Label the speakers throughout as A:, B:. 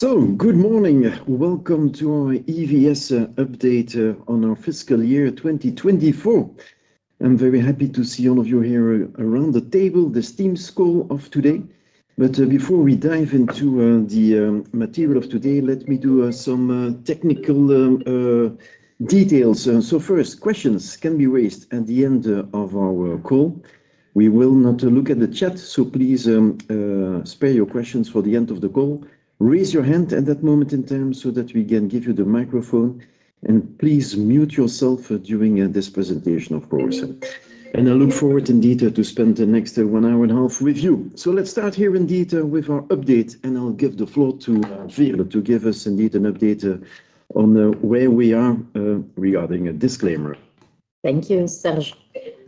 A: Good morning. Welcome to our EVS update on our fiscal year 2024. I'm very happy to see all of you here around the table, the small group of today. Before we dive into the material of today, let me do some technical details. First, questions can be raised at the end of our call. We will not look at the chat, so please spare your questions for the end of the call. Raise your hand at that moment in time so that we can give you the microphone, and please mute yourself during this presentation, of course. I look forward indeed to spend the next one hour and a half with you. Let's start here indeed with our update, and I'll give the floor to Veerle to give us indeed an update on where we are regarding a disclaimer.
B: Thank you, Serge.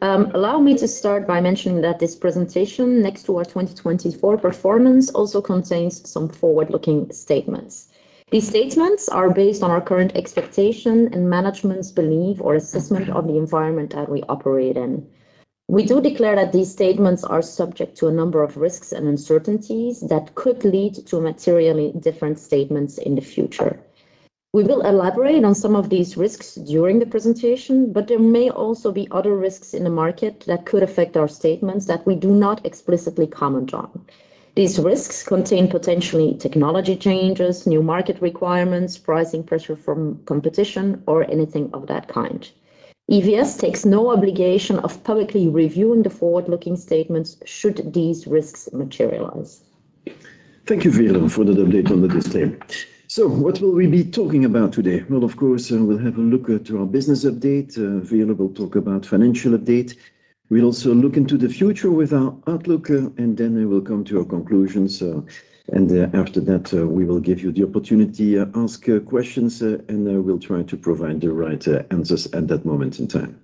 B: Allow me to start by mentioning that this presentation, next to our 2024 performance, also contains some forward-looking statements. These statements are based on our current expectation and management's belief or assessment of the environment that we operate in. We do declare that these statements are subject to a number of risks and uncertainties that could lead to materially different statements in the future. We will elaborate on some of these risks during the presentation, but there may also be other risks in the market that could affect our statements that we do not explicitly comment on. These risks contain potentially technology changes, new market requirements, pricing pressure from competition, or anything of that kind. EVS takes no obligation of publicly reviewing the forward-looking statements should these risks materialize.
A: Thank you, Veerle, for that update on the display. So what will we be talking about today? Well, of course, we'll have a look at our business update. Veerle will talk about the financial update. We'll also look into the future with our outlook, and then we'll come to our conclusions. And after that, we will give you the opportunity to ask questions, and we'll try to provide the right answers at that moment in time.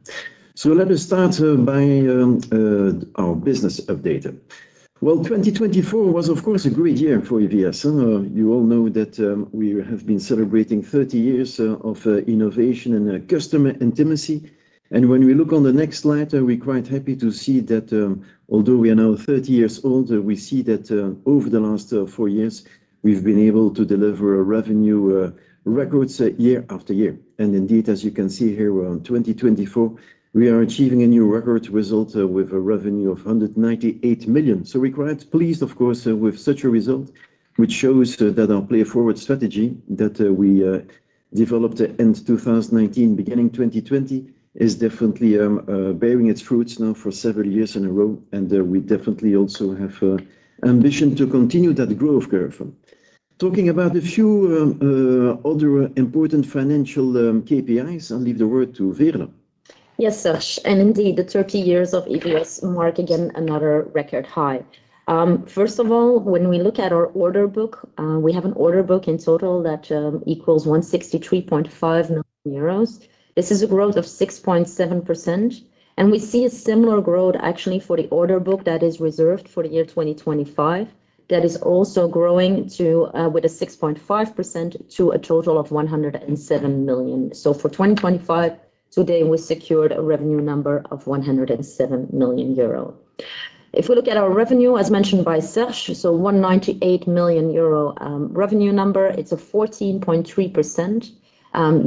A: So let us start by our business update. Well, 2024 was, of course, a great year for EVS. You all know that we have been celebrating 30 years of innovation and customer intimacy. And when we look on the next slide, we're quite happy to see that although we are now 30 years old, we see that over the last four years, we've been able to deliver revenue records year after year. Indeed, as you can see here, in 2024, we are achieving a new record result with a revenue of 198 million. We're quite pleased, of course, with such a result, which shows that our Play-Forward strategy that we developed in 2019, beginning 2020, is definitely bearing its fruits now for several years in a row, and we definitely also have an ambition to continue that growth curve. Talking about a few other important financial KPIs, I'll leave the word to Veerle.
B: Yes, Serge, and indeed, the 30 years of EVS mark again another record high. First of all, when we look at our order book, we have an order book in total that equals 163.5 million euros. This is a growth of 6.7%. And we see a similar growth, actually, for the order book that is reserved for the year 2025, that is also growing with a 6.5% to a total of 107 million. For 2025, today, we secured a revenue number of 107 million euro. If we look at our revenue, as mentioned by Serge, 198 million euro revenue number, it's a 14.3%.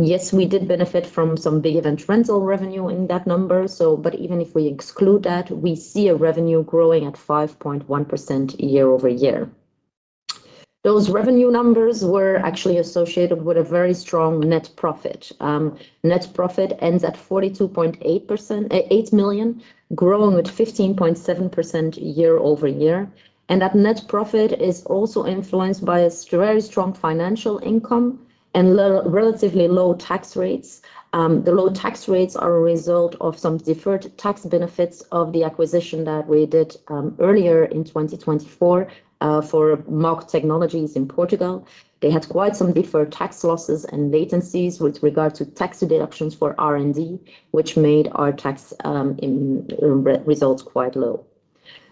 B: Yes, we did benefit from some big event rental revenue in that number, but even if we exclude that, we see a revenue growing at 5.1% year-over-year. Those revenue numbers were actually associated with a very strong net profit. Net profit ends at 42.8 million, growing with 15.7% year-over-year, and that net profit is also influenced by a very strong financial income and relatively low tax rates. The low tax rates are a result of some deferred tax benefits of the acquisition that we did earlier in 2024 for MOG Technologies in Portugal. They had quite some deferred tax losses and assets with regard to tax deductions for R&D, which made our tax results quite low.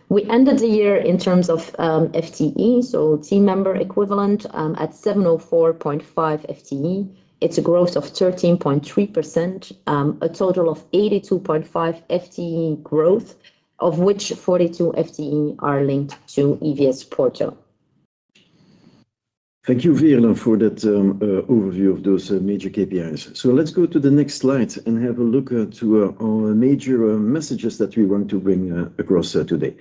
B: We ended the year in terms of FTE, so team member equivalent, at 704.5 FTE. It's a growth of 13.3%, a total of 82.5 FTE growth, of which 42 FTE are linked to EVS Portal.
A: Thank you, Veerle, for that overview of those major KPIs. So let's go to the next slide and have a look at our major messages that we want to bring across today.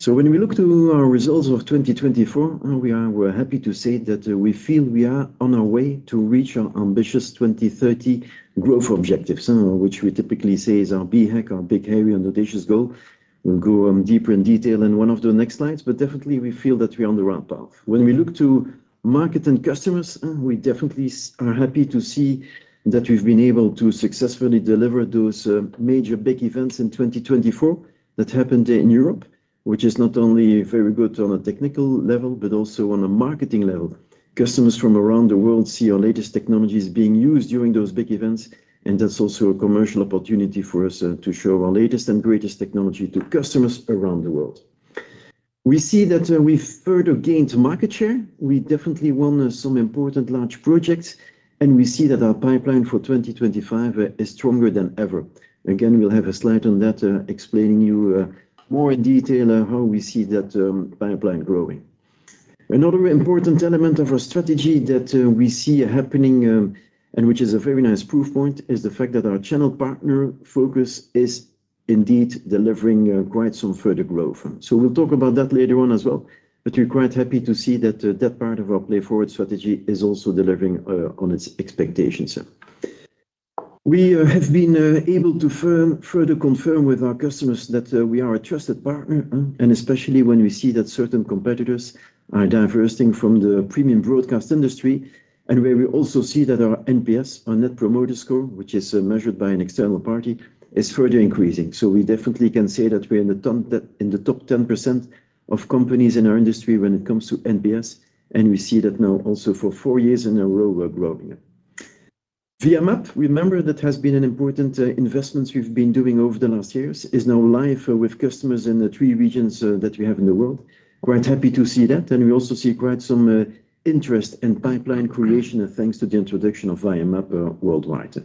A: So when we look to our results of 2024, we are happy to say that we feel we are on our way to reach our ambitious 2030 growth objectives, which we typically say is our BHAG, our Big Hairy and Audacious Goal. We'll go deeper in detail in one of the next slides, but definitely, we feel that we are on the right path. When we look to market and customers, we definitely are happy to see that we've been able to successfully deliver those major big events in 2024 that happened in Europe, which is not only very good on a technical level, but also on a marketing level. Customers from around the world see our latest technologies being used during those big events, and that's also a commercial opportunity for us to show our latest and greatest technology to customers around the world. We see that we've further gained market share. We definitely won some important large projects, and we see that our pipeline for 2025 is stronger than ever. Again, we'll have a slide on that explaining to you more in detail how we see that pipeline growing. Another important element of our strategy that we see happening, and which is a very nice proof point, is the fact that our channel partner focus is indeed delivering quite some further growth. So we'll talk about that later on as well, but we're quite happy to see that that part of our Play-Forward strategy is also delivering on its expectations. We have been able to further confirm with our customers that we are a trusted partner, and especially when we see that certain competitors are diverting from the premium broadcast industry, and where we also see that our NPS, our Net Promoter Score, which is measured by an external party, is further increasing, so we definitely can say that we're in the top 10% of companies in our industry when it comes to NPS, and we see that now also for four years in a row we're growing. VMAP, remember, that has been an important investment we've been doing over the last years, is now live with customers in three regions that we have in the world. Quite happy to see that, and we also see quite some interest in pipeline creation thanks to the introduction of VMAP worldwide.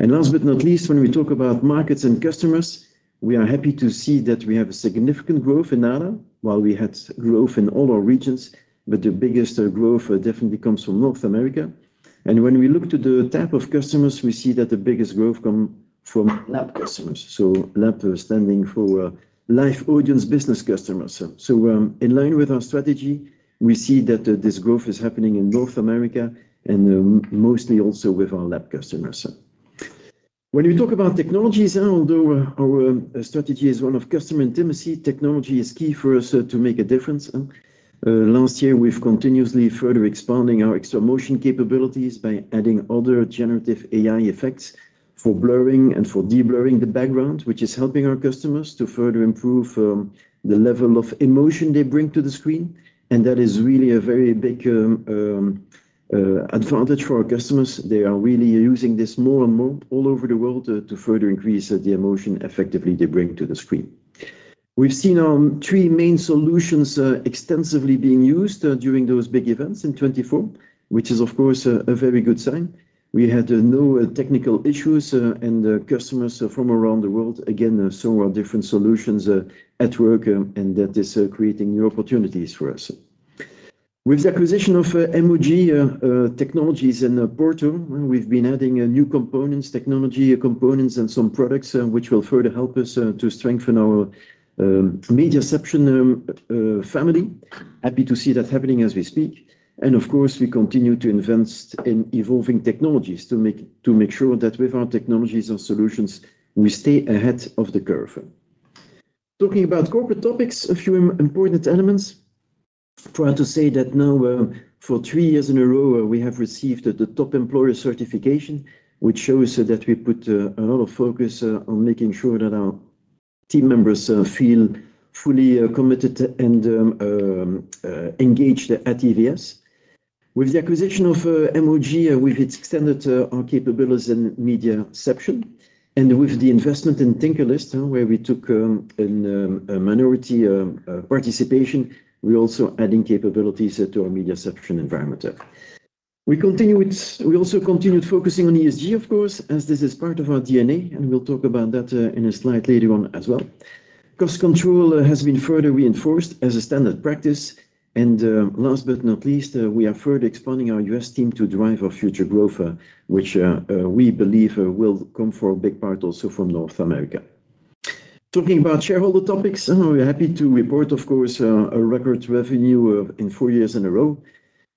A: Last but not least, when we talk about markets and customers, we are happy to see that we have significant growth in NALA, while we had growth in all our regions, but the biggest growth definitely comes from North America. When we look to the type of customers, we see that the biggest growth comes from LAB customers. LAB stands for Live Audience Business customers. In line with our strategy, we see that this growth is happening in North America and mostly also with our LAB customers. When we talk about technologies, although our strategy is one of customer intimacy, technology is key for us to make a difference. Last year, we've continuously further expanded our XtraMotion capabilities by adding other generative AI effects for blurring and for de-blurring the background, which is helping our customers to further improve the level of emotion they bring to the screen. And that is really a very big advantage for our customers. They are really using this more and more all over the world to further increase the emotion effectively they bring to the screen. We've seen our three main solutions extensively being used during those big events in 2024, which is, of course, a very good sign. We had no technical issues, and customers from around the world, again, saw our different solutions at work, and that is creating new opportunities for us. With the acquisition of MOG Technologies in Porto, we've been adding new components, technology components, and some products which will further help us to strengthen our MediaCeption family. Happy to see that happening as we speak, and of course, we continue to invest in evolving technologies to make sure that with our technologies and solutions, we stay ahead of the curve. Talking about corporate topics, a few important elements. Proud to say that now, for three years in a row, we have received the top employer certification, which shows that we put a lot of focus on making sure that our team members feel fully committed and engaged at EVS. With the acquisition of MOG, we've extended our capabilities in MediaCeption, and with the investment in TinkerList, where we took a minority participation, we're also adding capabilities to our MediaCeption environment. We also continued focusing on ESG, of course, as this is part of our DNA, and we'll talk about that in a slide later on as well. Cost control has been further reinforced as a standard practice, and last but not least, we are further expanding our U.S. team to drive our future growth, which we believe will come for a big part also from North America. Talking about shareholder topics, we're happy to report, of course, a record revenue in four years in a row.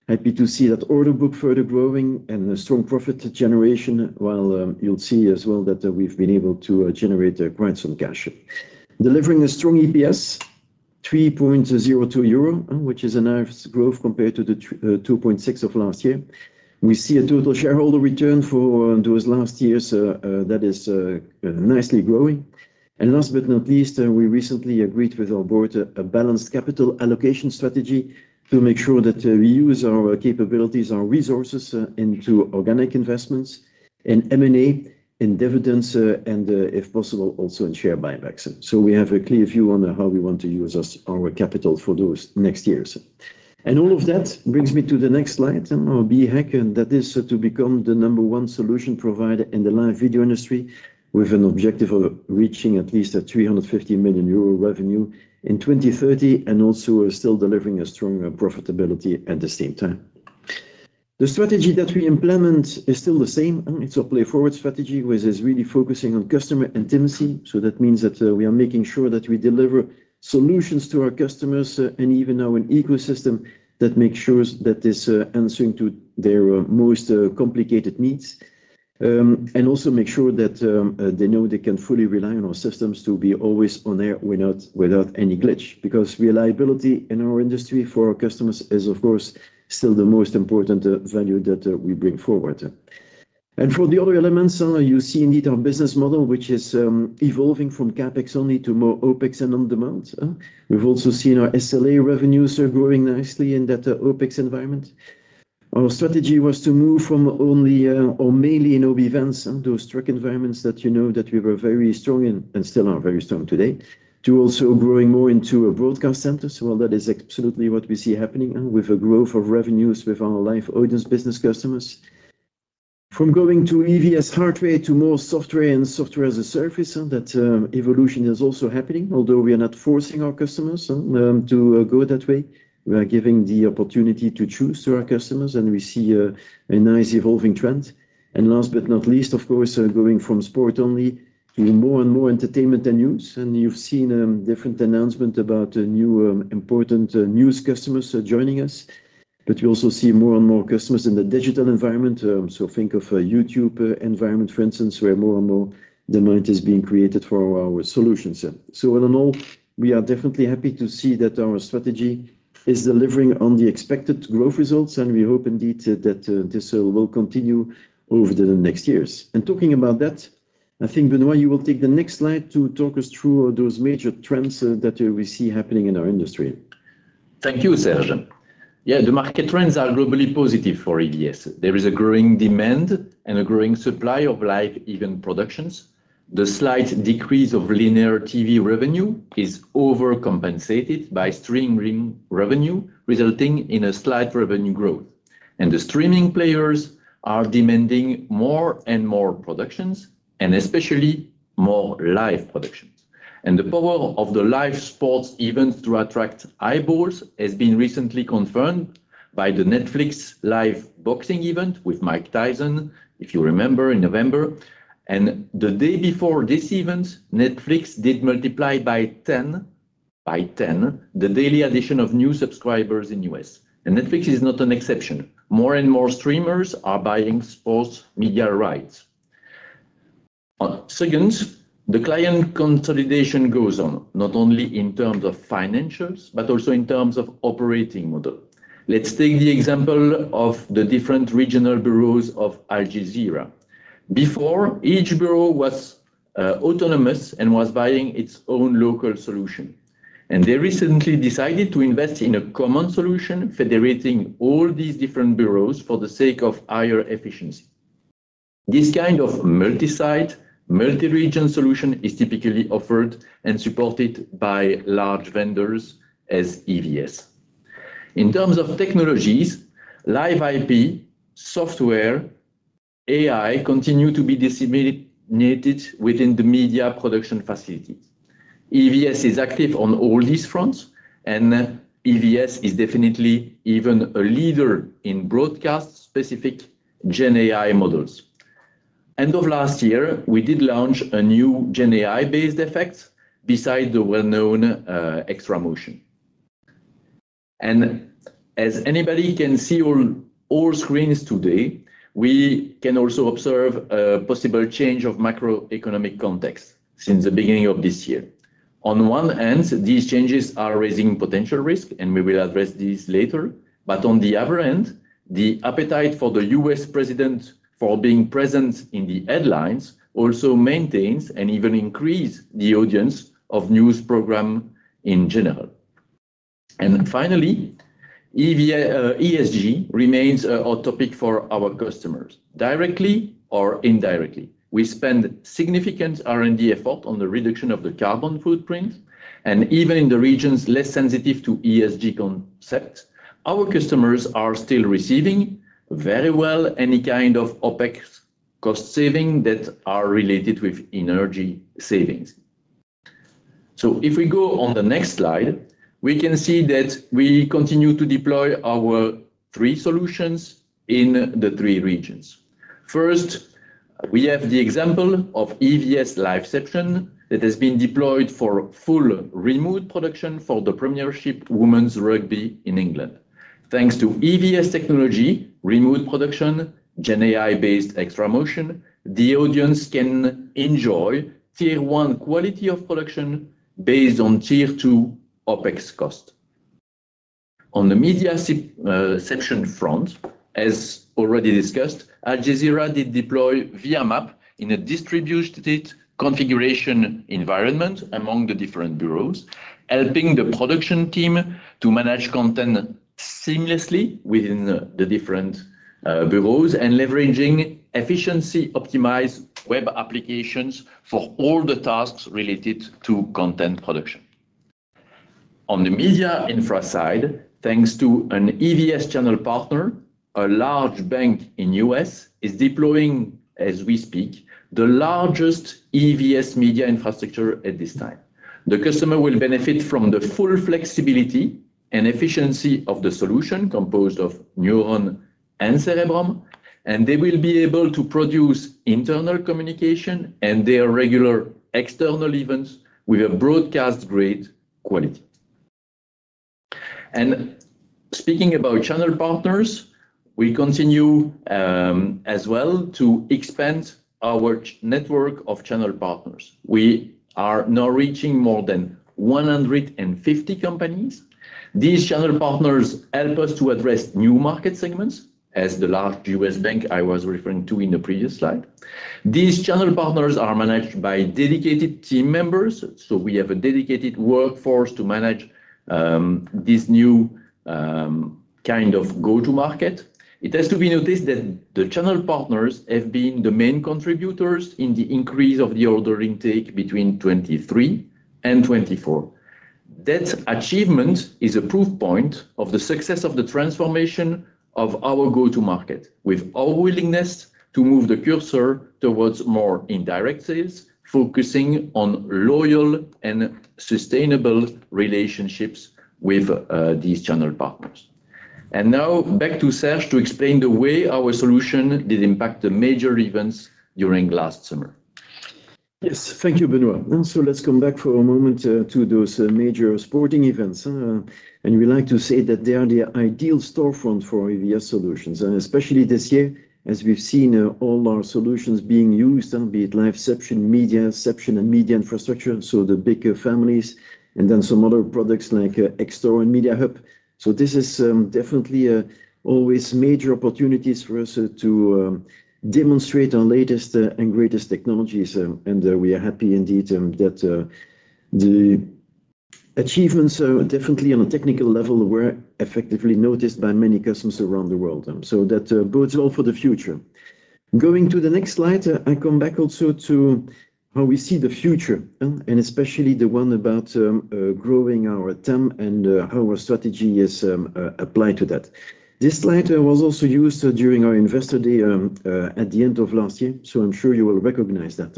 A: Happy to see that order book further growing and strong profit generation, while you'll see as well that we've been able to generate quite some cash. Delivering a strong EPS, 3.02 euro, which is a nice growth compared to the 2.6 of last year. We see a total shareholder return for those last years that is nicely growing. And last but not least, we recently agreed with our board a balanced capital allocation strategy to make sure that we use our capabilities, our resources into organic investments in M&A, in dividends, and if possible, also in share buybacks. So we have a clear view on how we want to use our capital for those next years. And all of that brings me to the next slide, our BHAG, and that is to become the number one solution provider in the live video industry with an objective of reaching at least 350 million euro revenue in 2030 and also still delivering a strong profitability at the same time. The strategy that we implement is still the same. It's our Play-Forward strategy, which is really focusing on customer intimacy. So that means that we are making sure that we deliver solutions to our customers and even our ecosystem that makes sure that it's answering to their most complicated needs and also makes sure that they know they can fully rely on our systems to be always on air without any glitch because reliability in our industry for our customers is, of course, still the most important value that we bring forward. And for the other elements, you see indeed our business model, which is evolving from CapEx only to more OpEx and on-demand. We've also seen our SLA revenues are growing nicely in that OpEx environment. Our strategy was to move from only or mainly in OB events, those truck environments that you know that we were very strong in and still are very strong today, to also growing more into a broadcast center. So that is absolutely what we see happening with a growth of revenues with our Live Audience Business customers. From going to EVS hardware to more software and software-as-a-service, that evolution is also happening. Although we are not forcing our customers to go that way, we are giving the opportunity to choose to our customers, and we see a nice evolving trend. And last but not least, of course, going from sport only to more and more entertainment and news. And you've seen different announcements about new important news customers joining us, but we also see more and more customers in the digital environment. So think of a YouTube environment, for instance, where more and more demand is being created for our solutions. So all in all, we are definitely happy to see that our strategy is delivering on the expected growth results, and we hope indeed that this will continue over the next years, and talking about that, I think, Benoît, you will take the next slide to talk us through those major trends that we see happening in our industry.
C: Thank you, Serge. Yeah, the market trends are globally positive for EVS. There is a growing demand and a growing supply of live event productions. The slight decrease of linear TV revenue is overcompensated by streaming revenue, resulting in a slight revenue growth, and the streaming players are demanding more and more productions and especially more live productions, and the power of the live sports events to attract eyeballs has been recently confirmed by the Netflix live boxing event with Mike Tyson, if you remember, in November, and the day before this event, Netflix did multiply by 10x10 the daily addition of new subscribers in the U.S., and Netflix is not an exception. More and more streamers are buying sports media rights. Secondly, the client consolidation goes on, not only in terms of financials, but also in terms of operating model. Let's take the example of the different regional bureaus of Al Jazeera. Before, each bureau was autonomous and was buying its own local solution. And they recently decided to invest in a common solution federating all these different bureaus for the sake of higher efficiency. This kind of multi-site, multi-region solution is typically offered and supported by large vendors as EVS. In terms of technologies, live IP, software, AI continue to be disseminated within the media production facilities. EVS is active on all these fronts, and EVS is definitely even a leader in broadcast-specific Gen AI models. End of last year, we did launch a new Gen AI-based effect beside the well-known XtraMotion. And as anybody can see on all screens today, we can also observe a possible change of macroeconomic context since the beginning of this year. On one hand, these changes are raising potential risk, and we will address this later. But on the other hand, the appetite for the U.S. president for being present in the headlines also maintains and even increases the audience of news programs in general, and finally, ESG remains a hot topic for our customers, directly or indirectly. We spend significant R&D effort on the reduction of the carbon footprint, and even in the regions less sensitive to ESG concepts, our customers are still receiving very well any kind of OpEx cost savings that are related with energy savings, so if we go on the next slide, we can see that we continue to deploy our three solutions in the three regions. First, we have the example of EVS LiveCeption that has been deployed for full remote production for the Premiership Women's Rugby in England. Thanks to EVS technology, remote production, Gen AI-based XtraMotion, the audience can enjoy tier-one quality of production based on Tier 2 OpEx cost. On the MediaCeption front, as already discussed, Al Jazeera did deploy VMAP in a distributed configuration environment among the different bureaus, helping the production team to manage content seamlessly within the different bureaus and leveraging efficiency-optimized web applications for all the tasks related to content production. On the MediaInfra side, thanks to an EVS channel partner, a large bank in the U.S. is deploying, as we speak, the largest EVS media infrastructure at this time. The customer will benefit from the full flexibility and efficiency of the solution composed of Neuron and Cerebrum, and they will be able to produce internal communication and their regular external events with a broadcast-grade quality. Speaking about channel partners, we continue as well to expand our network of channel partners. We are now reaching more than 150 companies. These channel partners help us to address new market segments, as the large U.S. bank I was referring to in the previous slide. These channel partners are managed by dedicated team members, so we have a dedicated workforce to manage this new kind of go-to-market. It has to be noticed that the channel partners have been the main contributors in the increase of the order intake between 2023 and 2024. That achievement is a proof point of the success of the transformation of our go-to-market with our willingness to move the cursor towards more indirect sales, focusing on loyal and sustainable relationships with these channel partners. Now back to Serge to explain the way our solution did impact the major events during last summer.
A: Yes, thank you, Benoît. So let's come back for a moment to those major sporting events. And we like to say that they are the ideal storefront for EVS solutions, and especially this year, as we've seen all our solutions being used, be it LiveCeption, MediaCeption, and MediaInfra, so the big families, and then some other products like XStore and MediaHub. So this is definitely always major opportunities for us to demonstrate our latest and greatest technologies. And we are happy indeed that the achievements definitely on a technical level were effectively noticed by many customers around the world. So that bodes well for the future. Going to the next slide, I come back also to how we see the future, and especially the one about growing our TAM and how our strategy is applied to that. This slide was also used during our investor day at the end of last year, so I'm sure you will recognize that.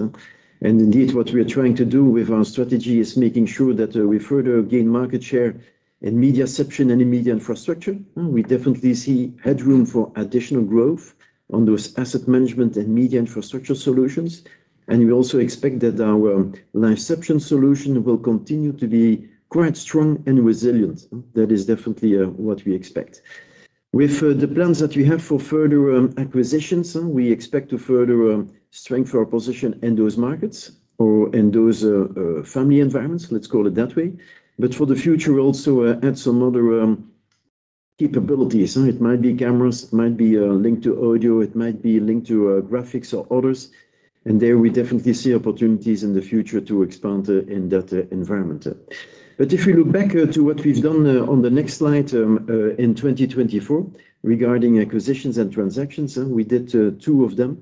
A: And indeed, what we are trying to do with our strategy is making sure that we further gain market share in MediaCeption and in MediaInfra. We definitely see headroom for additional growth on those asset management and media infrastructure solutions. And we also expect that our LiveCeption solution will continue to be quite strong and resilient. That is definitely what we expect. With the plans that we have for further acquisitions, we expect to further strengthen our position in those markets or in those family environments, let's call it that way. But for the future, also add some other capabilities. It might be cameras, it might be linked to audio, it might be linked to graphics or others. There we definitely see opportunities in the future to expand in that environment. If we look back to what we've done on the next slide in 2024 regarding acquisitions and transactions, we did two of them.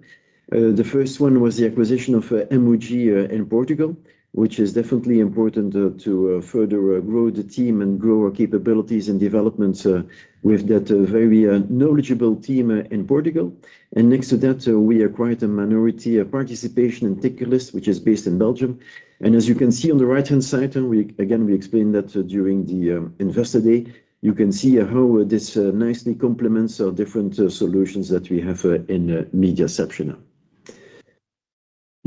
A: The first one was the acquisition of MOG in Portugal, which is definitely important to further grow the team and grow our capabilities and developments with that very knowledgeable team in Portugal. Next to that, we acquired a minority participation in TinkerList, which is based in Belgium. As you can see on the right-hand side, again, we explained that during the investor day, you can see how this nicely complements our different solutions that we have in MediaCeption now.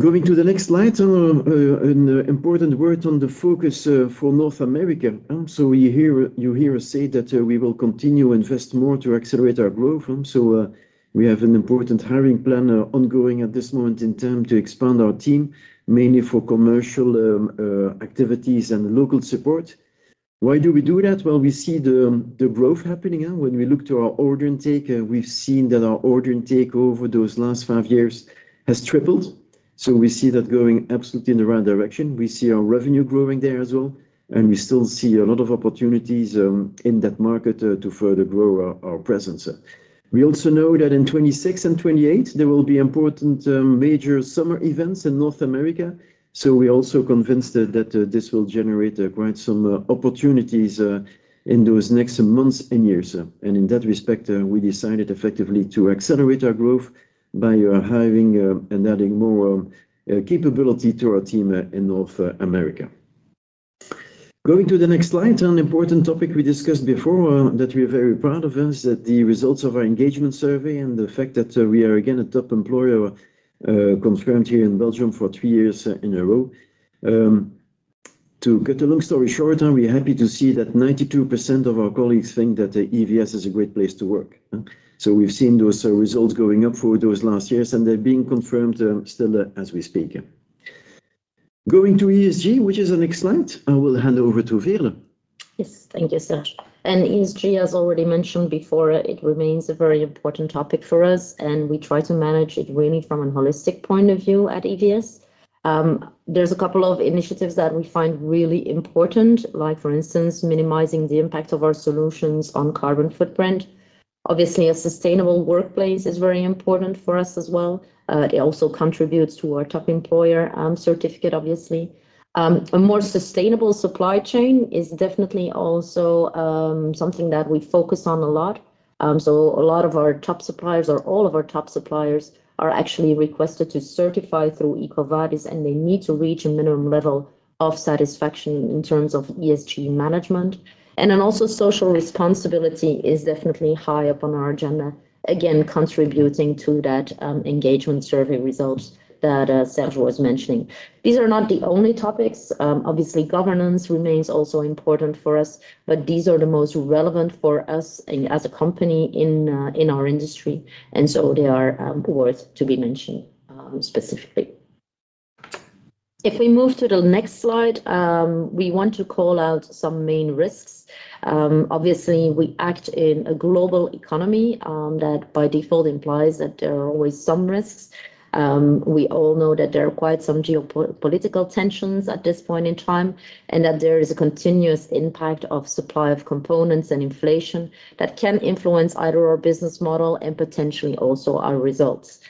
A: Going to the next slide, an important word on the focus for North America. You hear us say that we will continue to invest more to accelerate our growth. So we have an important hiring plan ongoing at this moment in TAM to expand our team, mainly for commercial activities and local support. Why do we do that? Well, we see the growth happening. When we look to our order intake, we've seen that our order intake over those last five years has tripled. So we see that going absolutely in the right direction. We see our revenue growing there as well. And we still see a lot of opportunities in that market to further grow our presence. We also know that in 2026 and 2028, there will be important major summer events in North America. So we are also convinced that this will generate quite some opportunities in those next months and years. And in that respect, we decided effectively to accelerate our growth by hiring and adding more capability to our team in North America. Going to the next slide, an important topic we discussed before that we are very proud of is that the results of our engagement survey and the fact that we are again a top employer confirmed here in Belgium for three years in a row. To cut a long story short, we're happy to see that 92% of our colleagues think that EVS is a great place to work. So we've seen those results going up for those last years, and they're being confirmed still as we speak. Going to ESG, which is the next slide, I will hand over to Veerle.
B: Yes, thank you, Serge. And ESG, as already mentioned before, it remains a very important topic for us, and we try to manage it really from a holistic point of view at EVS. There's a couple of initiatives that we find really important, like for instance, minimizing the impact of our solutions on carbon footprint. Obviously, a sustainable workplace is very important for us as well. It also contributes to our top employer certificate, obviously. A more sustainable supply chain is definitely also something that we focus on a lot. So a lot of our top suppliers, or all of our top suppliers, are actually requested to certify through EcoVadis, and they need to reach a minimum level of satisfaction in terms of ESG management. And then also social responsibility is definitely high up on our agenda, again, contributing to that engagement survey results that Serge was mentioning. These are not the only topics. Obviously, governance remains also important for us, but these are the most relevant for us as a company in our industry. And so they are worth to be mentioned specifically. If we move to the next slide, we want to call out some main risks. Obviously, we act in a global economy that by default implies that there are always some risks. We all know that there are quite some geopolitical tensions at this point in time, and that there is a continuous impact of supply of components and inflation that can influence either our business model and potentially also our results.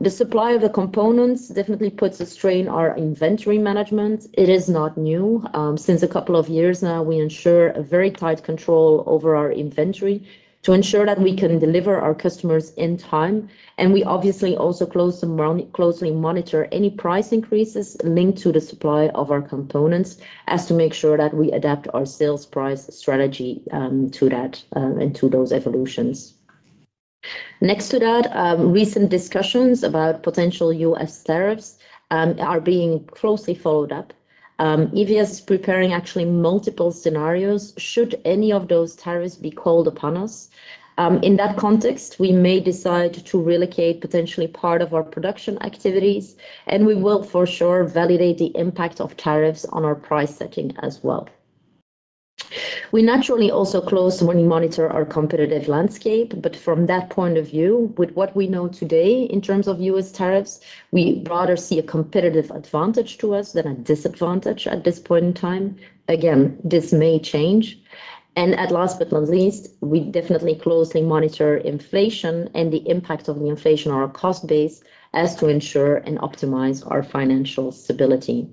B: The supply of the components definitely puts a strain on our inventory management. It is not new. Since a couple of years now, we ensure a very tight control over our inventory to ensure that we can deliver our customers in time. And we obviously also closely monitor any price increases linked to the supply of our components as to make sure that we adapt our sales price strategy to that and to those evolutions. Next to that, recent discussions about potential U.S. tariffs are being closely followed up. EVS is preparing actually multiple scenarios should any of those tariffs be called upon us. In that context, we may decide to relocate potentially part of our production activities, and we will for sure validate the impact of tariffs on our price setting as well. We naturally also closely monitor our competitive landscape, but from that point of view, with what we know today in terms of U.S. tariffs, we rather see a competitive advantage to us than a disadvantage at this point in time. Again, this may change. At last but not least, we definitely closely monitor inflation and the impact of the inflation on our cost base as to ensure and optimize our financial stability.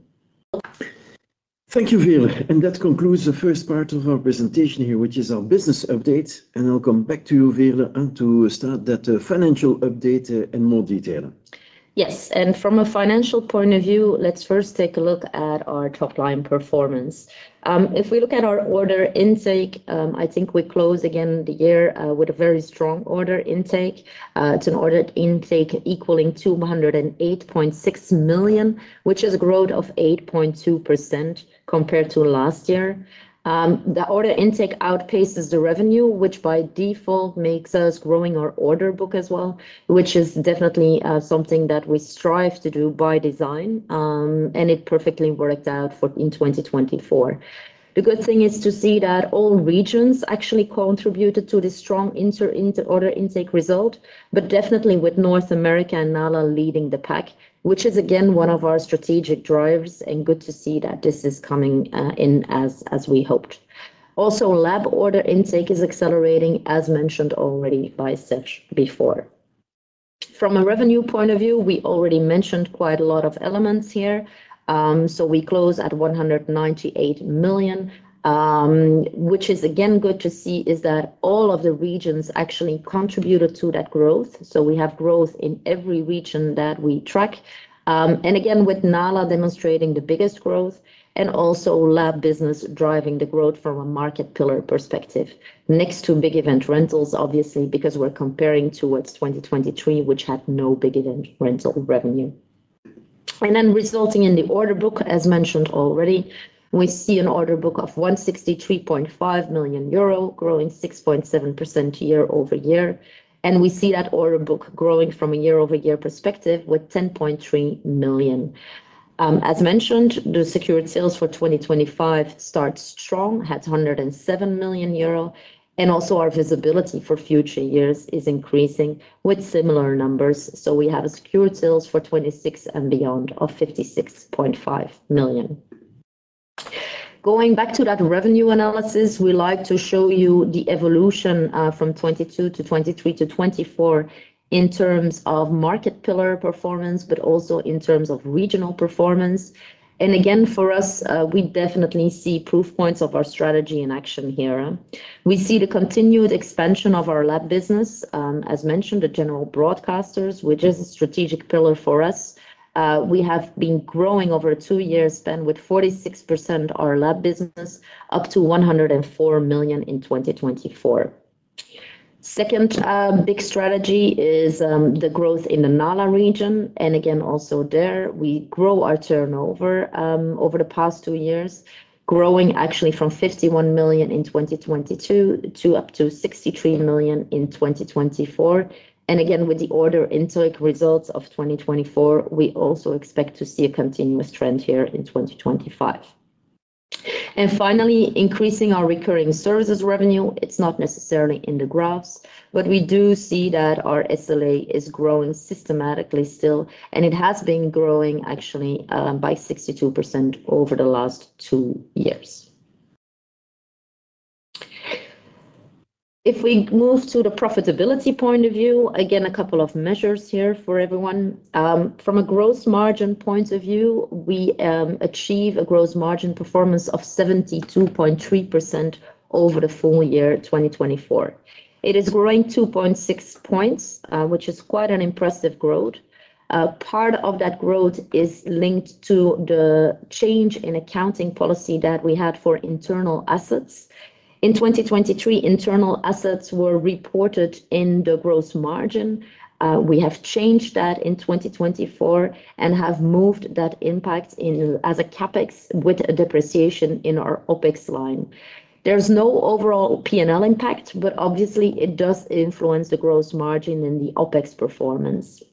A: Thank you, Veerle. And that concludes the first part of our presentation here, which is our business update. And I'll come back to you, Veerle, to start that financial update in more detail.
B: Yes. And from a financial point of view, let's first take a look at our top-line performance. If we look at our order intake, I think we close, again, the year with a very strong order intake. It's an order intake equaling 208.6 million, which is a growth of 8.2% compared to last year. The order intake outpaces the revenue, which by default makes us growing our order book as well, which is definitely something that we strive to do by design, and it perfectly worked out in 2024. The good thing is to see that all regions actually contributed to the strong order intake result, but definitely with North America and NALA leading the pack, which is again one of our strategic drivers, and good to see that this is coming in as we hoped. Also, LAB order intake is accelerating, as mentioned already by Serge before. From a revenue point of view, we already mentioned quite a lot of elements here. So we close at 198 million, which is again good to see is that all of the regions actually contributed to that growth. So we have growth in every region that we track. And again, with NALA demonstrating the biggest growth and also LAB business driving the growth from a market pillar perspective, next to big event rentals, obviously, because we're comparing towards 2023, which had no big event rental revenue. And then resulting in the order book, as mentioned already, we see an order book of 163.5 million euro, growing 6.7% year-over-year. And we see that order book growing from a year-over-year perspective with 10.3 million. As mentioned, the secured sales for 2025 start strong, had 107 million euro, and also our visibility for future years is increasing with similar numbers. We have secured sales for 2026 and beyond of 56.5 million. Going back to that revenue analysis, we like to show you the evolution from 2022 to 2023 to 2024 in terms of market pillar performance, but also in terms of regional performance. Again, for us, we definitely see proof points of our strategy in action here. We see the continued expansion of our LAB business, as mentioned, the general broadcasters, which is a strategic pillar for us. We have been growing over two years spend with 46% of our LAB business up to 104 million in 2024. Second big strategy is the growth in the NALA region. Again, also there, we grow our turnover over the past two years, growing actually from 51 million in 2022 to up to 63 million in 2024. Again, with the order intake results of 2024, we also expect to see a continuous trend here in 2025. Finally, increasing our recurring services revenue. It's not necessarily in the graphs, but we do see that our SLA is growing systematically still, and it has been growing actually by 62% over the last two years. If we move to the profitability point of view, again, a couple of measures here for everyone. From a gross margin point of view, we achieve a gross margin performance of 72.3% over the full year 2024. It is growing 2.6 points, which is quite an impressive growth. Part of that growth is linked to the change in accounting policy that we had for intangible assets. In 2023, intangible assets were reported in the gross margin. We have changed that in 2024 and have moved that impact as a CapEx with a depreciation in our OpEx line. There's no overall P&L impact, but obviously, it does influence the gross margin and the OpEx performance.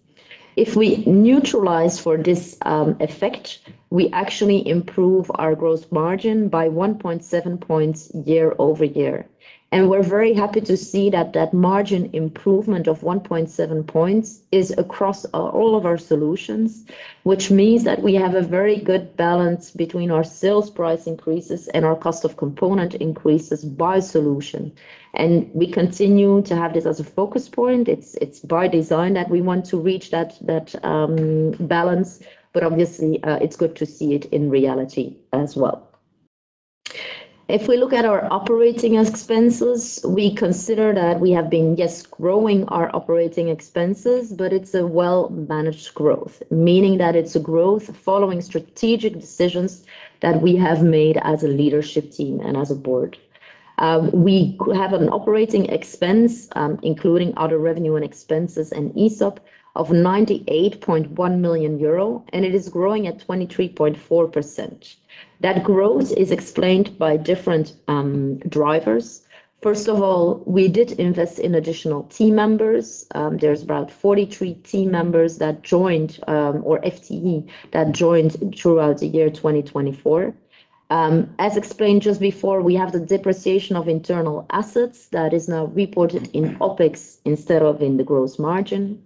B: If we neutralize for this effect, we actually improve our gross margin by 1.7 points year-over-year. And we're very happy to see that that margin improvement of 1.7 points is across all of our solutions, which means that we have a very good balance between our sales price increases and our cost of component increases by solution. And we continue to have this as a focus point. It's by design that we want to reach that balance, but obviously, it's good to see it in reality as well. If we look at our operating expenses, we consider that we have been, yes, growing our operating expenses, but it's a well-managed growth, meaning that it's a growth following strategic decisions that we have made as a leadership team and as a board. We have an operating expense, including other revenue and expenses and ESOP, of 98.1 million euro, and it is growing at 23.4%. That growth is explained by different drivers. First of all, we did invest in additional team members. There's about 43 team members that joined, or FTE, that joined throughout the year 2024. As explained just before, we have the depreciation of internal assets that is now reported in OpEx instead of in the gross margin.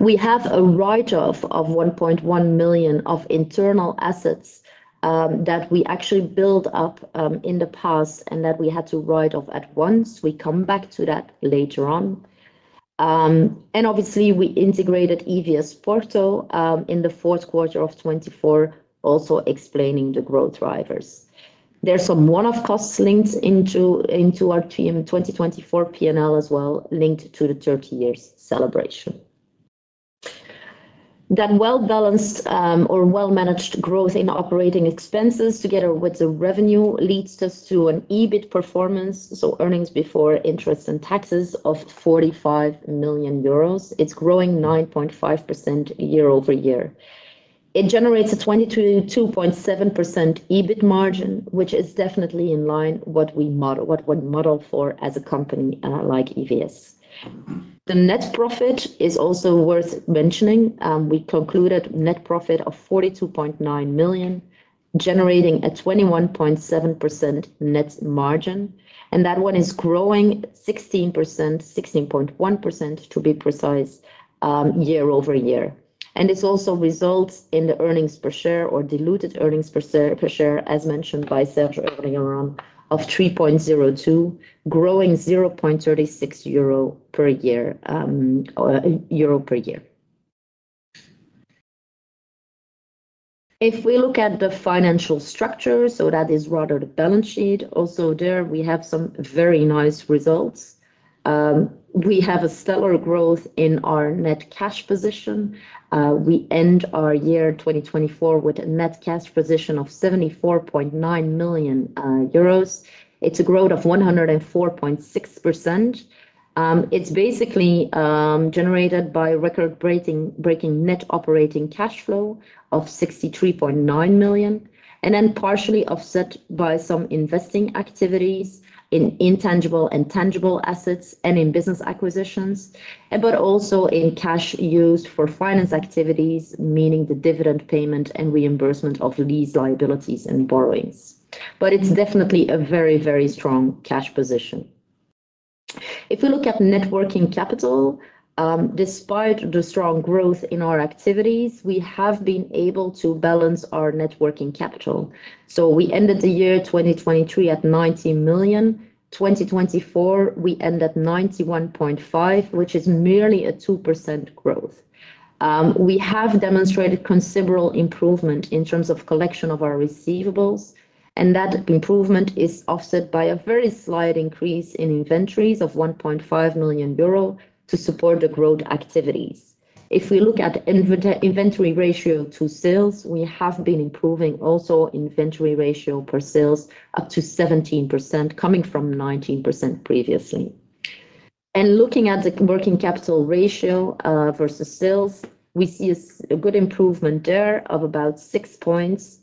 B: We have a write-off of 1.1 million of internal assets that we actually built up in the past and that we had to write off at once. We come back to that later on. And obviously, we integrated EVS Porto in the Q4 of 2024, also explaining the growth drivers. There's some one-off costs linked into our 2024 P&L as well, linked to the 30 years celebration. That well-balanced or well-managed growth in operating expenses together with the revenue leads us to an EBIT performance, so earnings before interest and taxes of 45 million euros. It's growing 9.5% year-over-year. It generates a 22.7% EBIT margin, which is definitely in line with what we model for as a company like EVS. The net profit is also worth mentioning. We concluded a net profit of 42.9 million, generating a 21.7% net margin, and that one is growing 16%, 16.1% to be precise year-over-year. It also results in the earnings per share or diluted earnings per share, as mentioned by Serge earlier on, of 3.02, growing 0.36 euro per year. If we look at the financial structure, so that is rather the balance sheet. Also, there, we have some very nice results. We have a stellar growth in our net cash position. We end our year 2024 with a net cash position of 74.9 million euros. It's a growth of 104.6%. It's basically generated by record-breaking net operating cash flow of 63.9 million EUR, and then partially offset by some investing activities in intangible and tangible assets and in business acquisitions, but also in cash used for finance activities, meaning the dividend payment and reimbursement of lease liabilities and borrowings. But it's definitely a very, very strong cash position. If we look at net working capital, despite the strong growth in our activities, we have been able to balance our net working capital. So we ended the year 2023 at 90 million. 2024, we end at 91.5 million, which is merely a 2% growth. We have demonstrated considerable improvement in terms of collection of our receivables, and that improvement is offset by a very slight increase in inventories of 1.5 million euro to support the growth activities. If we look at inventory ratio to sales, we have been improving also inventory ratio per sales up to 17%, coming from 19% previously. And looking at the working capital ratio versus sales, we see a good improvement there of about 6 points.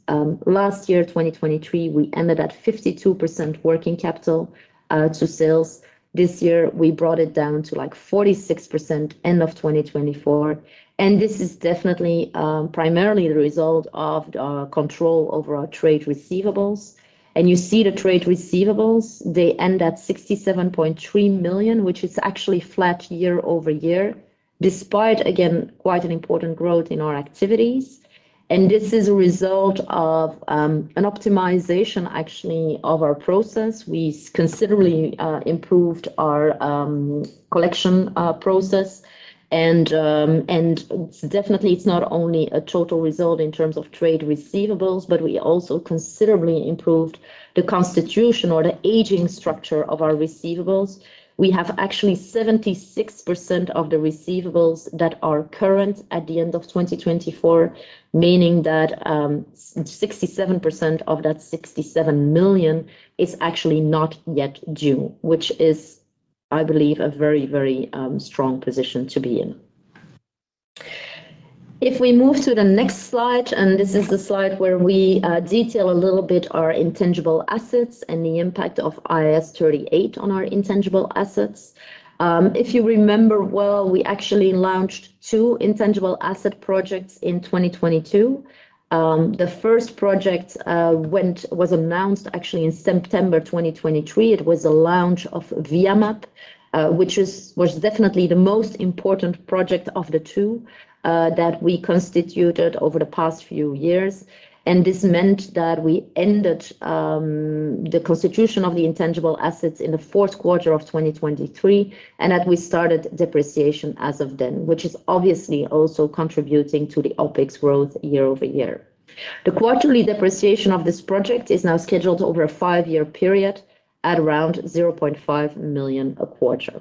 B: Last year, 2023, we ended at 52% working capital to sales. This year, we brought it down to like 46% end of 2024. This is definitely primarily the result of our control over our trade receivables. You see the trade receivables, they end at 67.3 million, which is actually flat year-over-year, despite, again, quite an important growth in our activities. This is a result of an optimization, actually, of our process. We considerably improved our collection process. Definitely, it's not only a total result in terms of trade receivables, but we also considerably improved the constitution or the aging structure of our receivables. We have actually 76% of the receivables that are current at the end of 2024, meaning that 67% of that 67 million is actually not yet due, which is, I believe, a very, very strong position to be in. If we move to the next slide, and this is the slide where we detail a little bit our intangible assets and the impact of IAS 38 on our intangible assets. If you remember well, we actually launched two intangible asset projects in 2022. The first project was announced actually in September 2023. It was the launch of VMAP, which was definitely the most important project of the two that we constituted over the past few years. And this meant that we ended the constitution of the intangible assets in the Q4 of 2023, and that we started depreciation as of then, which is obviously also contributing to the OpEx growth year-over-year. The quarterly depreciation of this project is now scheduled over a five-year period at around 0.5 million a quarter.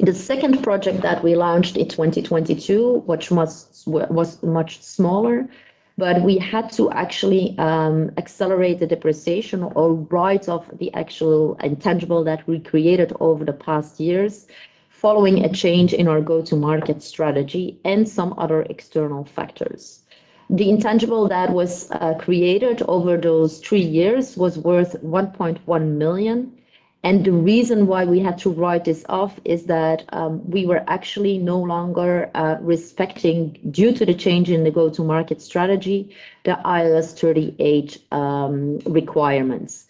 B: The second project that we launched in 2022, which was much smaller, but we had to actually accelerate the depreciation or write off the actual intangible that we created over the past years following a change in our go-to-market strategy and some other external factors. The intangible that was created over those three years was worth 1.1 million, and the reason why we had to write this off is that we were actually no longer respecting, due to the change in the go-to-market strategy, the IAS 38 requirements.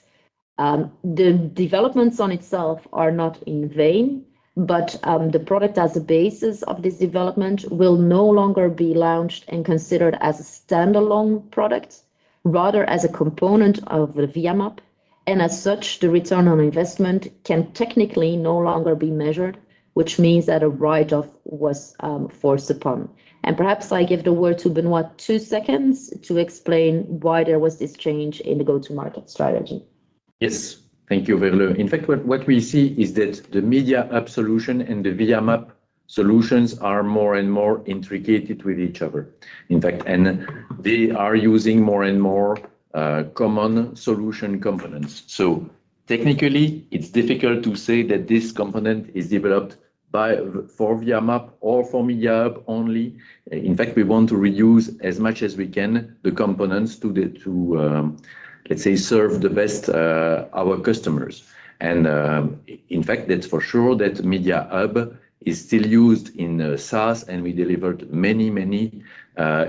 B: The developments on itself are not in vain, but the product as a basis of this development will no longer be launched and considered as a standalone product, rather as a component of the VMAP, and as such, the return on investment can technically no longer be measured, which means that a write-off was forced upon. And perhaps I give the word to Benoît two seconds to explain why there was this change in the go-to-market strategy.
D: Yes. Thank you, Veerle. In fact, what we see is that the MediaCeption solution and the VMAP solutions are more and more intricate with each other. In fact, and they are using more and more common solution components. So technically, it's difficult to say that this component is developed for VMAP or for MediaCeption only. In fact, we want to reuse as much as we can the components to, let's say, serve the best our customers. And in fact, that's for sure that MediaHub is still used in SaaS, and we delivered many, many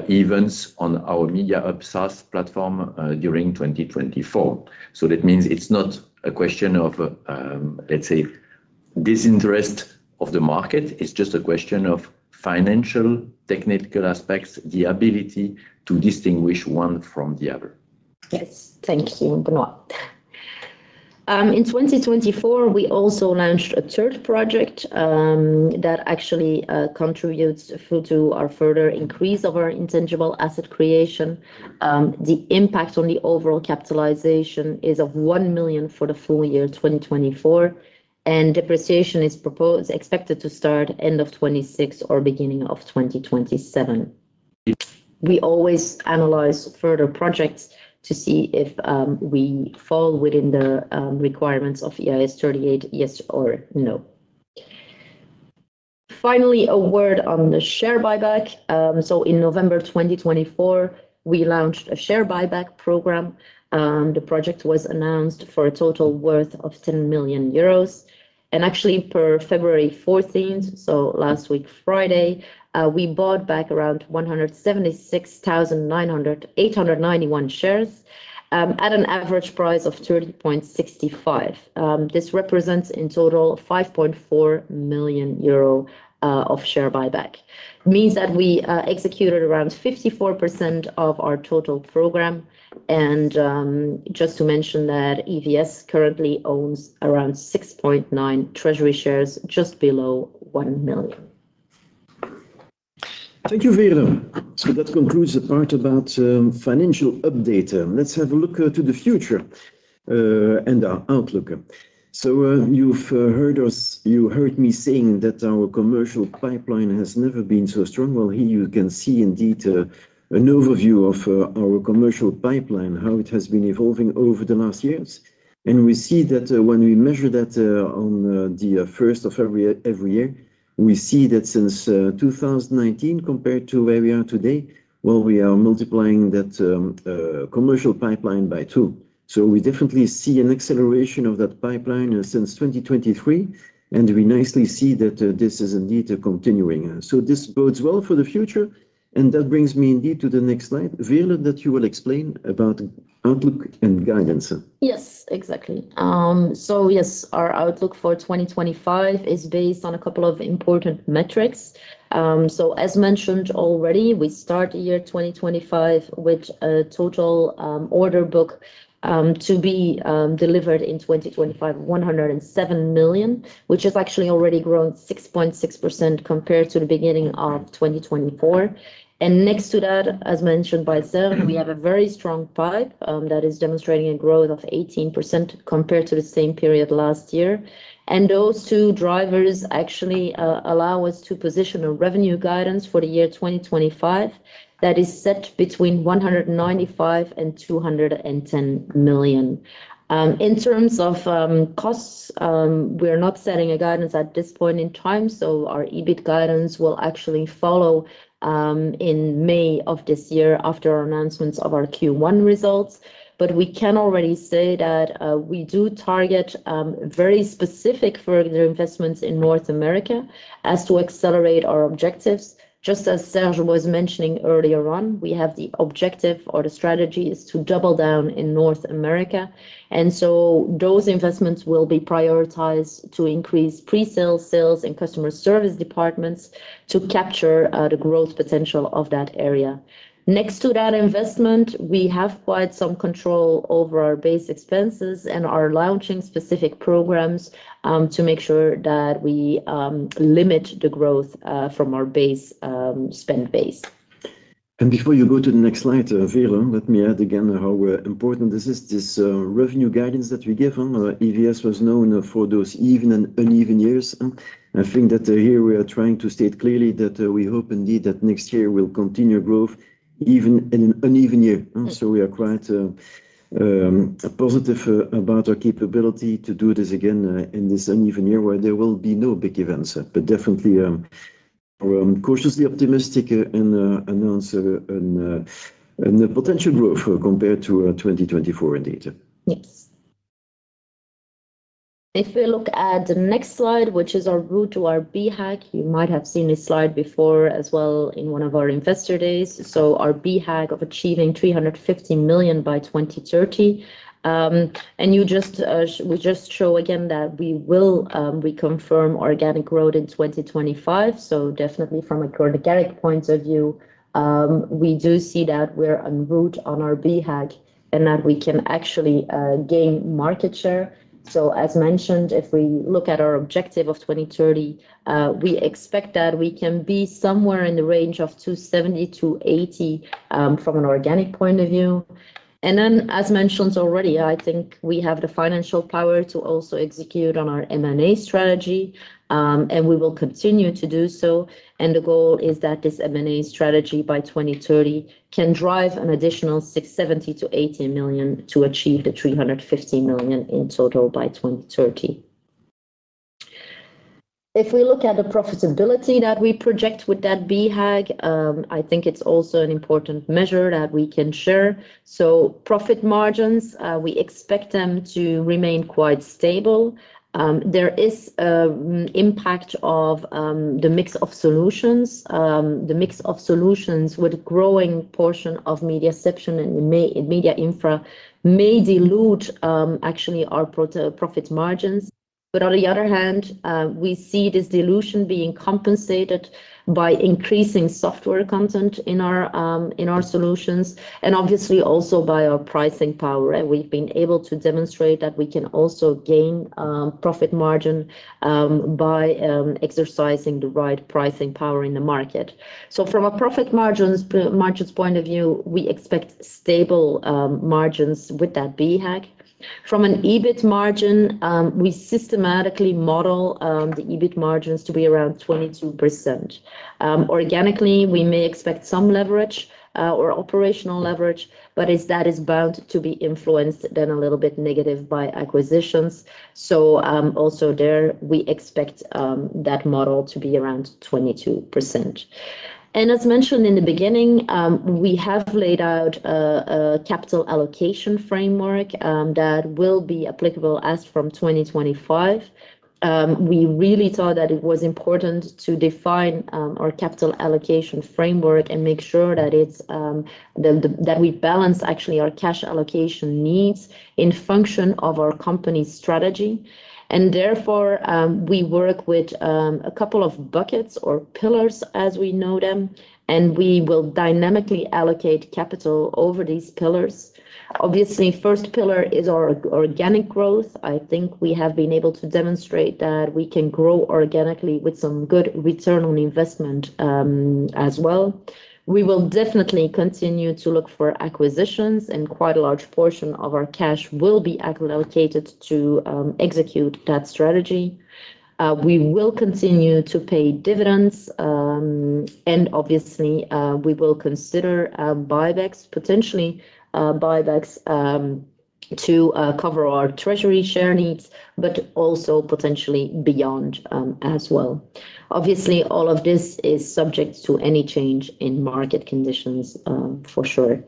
D: events on our MediaHub SaaS platform during 2024. So that means it's not a question of, let's say, disinterest of the market. It's just a question of financial and technical aspects, the ability to distinguish one from the other.
B: Yes. Thank you, Benoît. In 2024, we also launched a third project that actually contributes to our further increase of our intangible asset creation. The impact on the overall capitalization is 1 million for the full year 2024, and depreciation is expected to start end of 2026 or beginning of 2027. We always analyze further projects to see if we fall within the requirements of IAS 38, yes or no. Finally, a word on the share buyback. So in November 2024, we launched a share buyback program. The project was announced for a total worth of 10 million euros. And actually, per February 14th, so last week, Friday, we bought back around 176,891 shares at an average price of 30.65. This represents in total 5.4 million euro of share buyback. It means that we executed around 54% of our total program. And just to mention that EVS currently owns around 6.9 million treasury shares, just below 1 million.
A: Thank you, Veerle. So that concludes the part about financial update. Let's have a look to the future and our outlook. So you've heard us, you heard me saying that our commercial pipeline has never been so strong. Well, here you can see indeed an overview of our commercial pipeline, how it has been evolving over the last years. And we see that when we measure that on the 1st of every year, we see that since 2019, compared to where we are today, well, we are multiplying that commercial pipeline by two. So we definitely see an acceleration of that pipeline since 2023, and we nicely see that this is indeed continuing. So this bodes well for the future, and that brings me indeed to the next slide, Veerle, that you will explain about outlook and guidance.
B: Yes, exactly. So yes, our outlook for 2025 is based on a couple of important metrics. So as mentioned already, we start the year 2025 with a total order book to be delivered in 2025, 107 million, which has actually already grown 6.6% compared to the beginning of 2024. And next to that, as mentioned by Serge, we have a very strong pipe that is demonstrating a growth of 18% compared to the same period last year. And those two drivers actually allow us to position a revenue guidance for the year 2025 that is set between 195 million and 210 million. In terms of costs, we're not setting a guidance at this point in time, so our EBIT guidance will actually follow in May of this year after our announcements of our Q1 results. But we can already say that we do target very specific further investments in North America as to accelerate our objectives. Just as Serge was mentioning earlier on, we have the objective or the strategy is to double down in North America. And so those investments will be prioritized to increase presale, sales, and customer service departments to capture the growth potential of that area. Next to that investment, we have quite some control over our base expenses and we're launching specific programs to make sure that we limit the growth from our base spend.
A: Before you go to the next slide, Veerle, let me add again how important this is, this revenue guidance that we give. EVS was known for those even and uneven years. I think that here we are trying to state clearly that we hope indeed that next year will continue growth even in an uneven year. We are quite positive about our capability to do this again in this uneven year where there will be no big events, but definitely we're cautiously optimistic and announce a potential growth compared to 2024 indeed.
B: Yes. If we look at the next slide, which is our road to our BHAG, you might have seen this slide before as well in one of our investor days. Our BHAG of achieving 350 million by 2030. We just show again that we will reconfirm organic growth in 2025. Definitely from a granular point of view, we do see that we're en route on our BHAG and that we can actually gain market share. As mentioned, if we look at our objective of 2030, we expect that we can be somewhere in the range of 270 million- 280 million from an organic point of view. Then, as mentioned already, I think we have the financial power to also execute on our M&A strategy, and we will continue to do so. The goal is that this M&A strategy by 2030 can drive an additional 670 million- 680 million to achieve the 350 million in total by 2030. If we look at the profitability that we project with that BHAG, I think it's also an important measure that we can share. Profit margins, we expect them to remain quite stable. There is an impact of the mix of solutions. The mix of solutions with a growing portion of MediaCeption and MediaInfra may dilute actually our profit margins. But on the other hand, we see this dilution being compensated by increasing software content in our solutions and obviously also by our pricing power. We've been able to demonstrate that we can also gain profit margin by exercising the right pricing power in the market. So from a profit margins point of view, we expect stable margins with that BHAG. From an EBIT margin, we systematically model the EBIT margins to be around 22%. Organically, we may expect some leverage or operational leverage, but that is bound to be influenced then a little bit negative by acquisitions. So also there, we expect that model to be around 22%. As mentioned in the beginning, we have laid out a capital allocation framework that will be applicable as from 2025. We really thought that it was important to define our capital allocation framework and make sure that we balance actually our cash allocation needs in function of our company's strategy. Therefore, we work with a couple of buckets or pillars as we know them, and we will dynamically allocate capital over these pillars. Obviously, first pillar is our organic growth. I think we have been able to demonstrate that we can grow organically with some good return on investment as well. We will definitely continue to look for acquisitions, and quite a large portion of our cash will be allocated to execute that strategy. We will continue to pay dividends, and obviously, we will consider buybacks, potentially buybacks to cover our treasury share needs, but also potentially beyond as well. Obviously, all of this is subject to any change in market conditions for sure.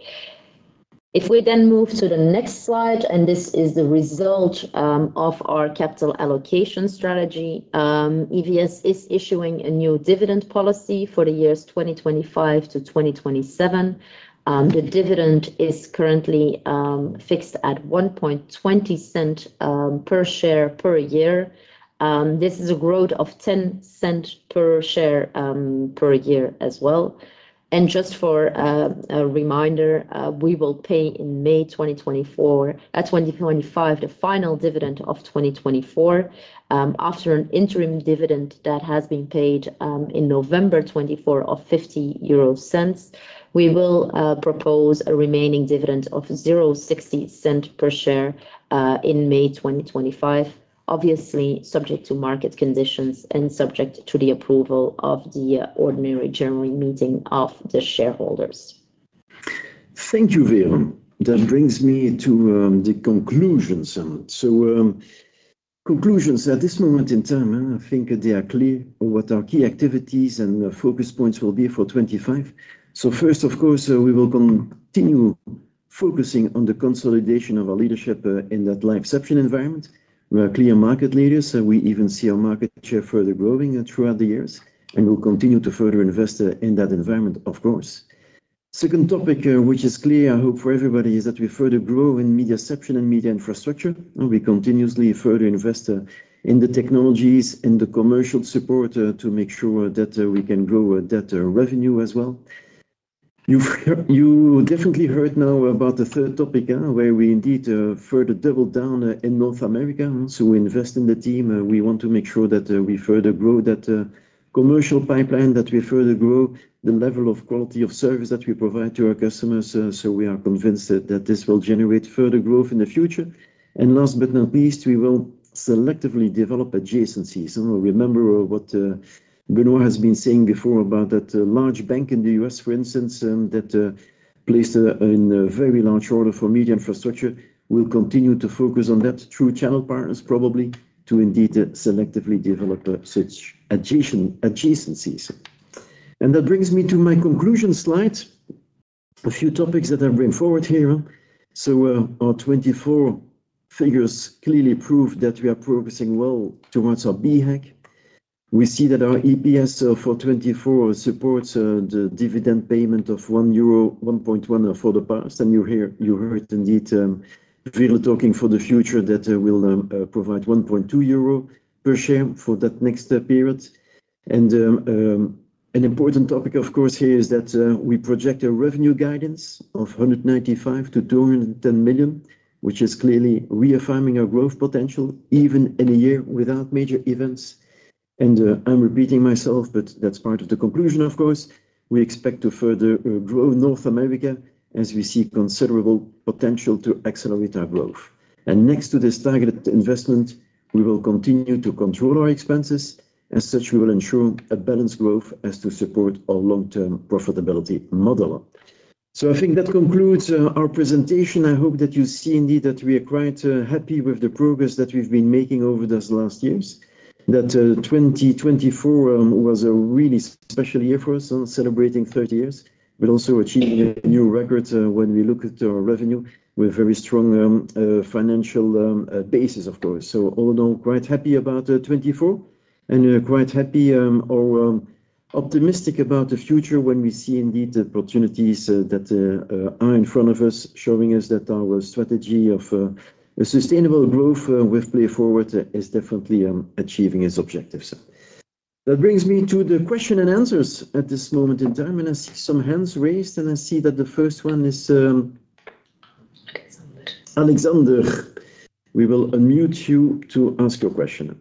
B: If we then move to the next slide, and this is the result of our capital allocation strategy, EVS is issuing a new dividend policy for the years 2025 to 2027. The dividend is currently fixed at 1.20 per share per year. This is a growth of 0.10 per share per year as well. And just for a reminder, we will pay in May 2025 the final dividend of 2024. After an interim dividend that has been paid in November 2024 of 0.50, we will propose a remaining dividend of 0.60 per share in May 2025, obviously subject to market conditions and subject to the approval of the ordinary general meeting of the shareholders.
A: Thank you, Veerle. That brings me to the conclusions. So conclusions at this moment in time, I think they are clear what our key activities and focus points will be for 2025. So first, of course, we will continue focusing on the consolidation of our leadership in that LiveCeption environment. We are clear market leaders. We even see our market share further growing throughout the years, and we'll continue to further invest in that environment, of course. Second topic, which is clear, I hope for everybody, is that we further grow in MediaCeption and media infrastructure. We continuously further invest in the technologies and the commercial support to make sure that we can grow that revenue as well. You definitely heard now about the third topic where we indeed further doubled down in North America. So we invest in the team. We want to make sure that we further grow that commercial pipeline, that we further grow the level of quality of service that we provide to our customers. So we are convinced that this will generate further growth in the future. And last but not least, we will selectively develop adjacencies. Remember what Benoît has been saying before about that large bank in the U.S., for instance, that placed a very large order for media infrastructure. We'll continue to focus on that through channel partners, probably to indeed selectively develop such adjacencies. And that brings me to my conclusion slide. A few topics that I've brought forward here. Our 2024 figures clearly prove that we are progressing well towards our BHAG. We see that our EPS for 2024 supports the dividend payment of 1.1 for the past. You heard indeed Veerle talking for the future that will provide 1.2 euro per share for that next period. An important topic, of course, here is that we project a revenue guidance of 195 million-210 million, which is clearly reaffirming our growth potential even in a year without major events. I'm repeating myself, but that's part of the conclusion, of course. We expect to further grow North America as we see considerable potential to accelerate our growth. Next to this targeted investment, we will continue to control our expenses. As such, we will ensure a balanced growth as to support our long-term profitability model. I think that concludes our presentation. I hope that you see indeed that we are quite happy with the progress that we've been making over those last years, that 2024 was a really special year for us on celebrating 30 years, but also achieving a new record when we look at our revenue with very strong financial basis, of course. All in all, quite happy about 24 and quite happy or optimistic about the future when we see indeed the opportunities that are in front of us, showing us that our strategy of sustainable growth with Play-Forward is definitely achieving its objectives. That brings me to the question and answers at this moment in time. I see some hands raised, and I see that the first one is Alexander. Alexander, we will unmute you to ask your question.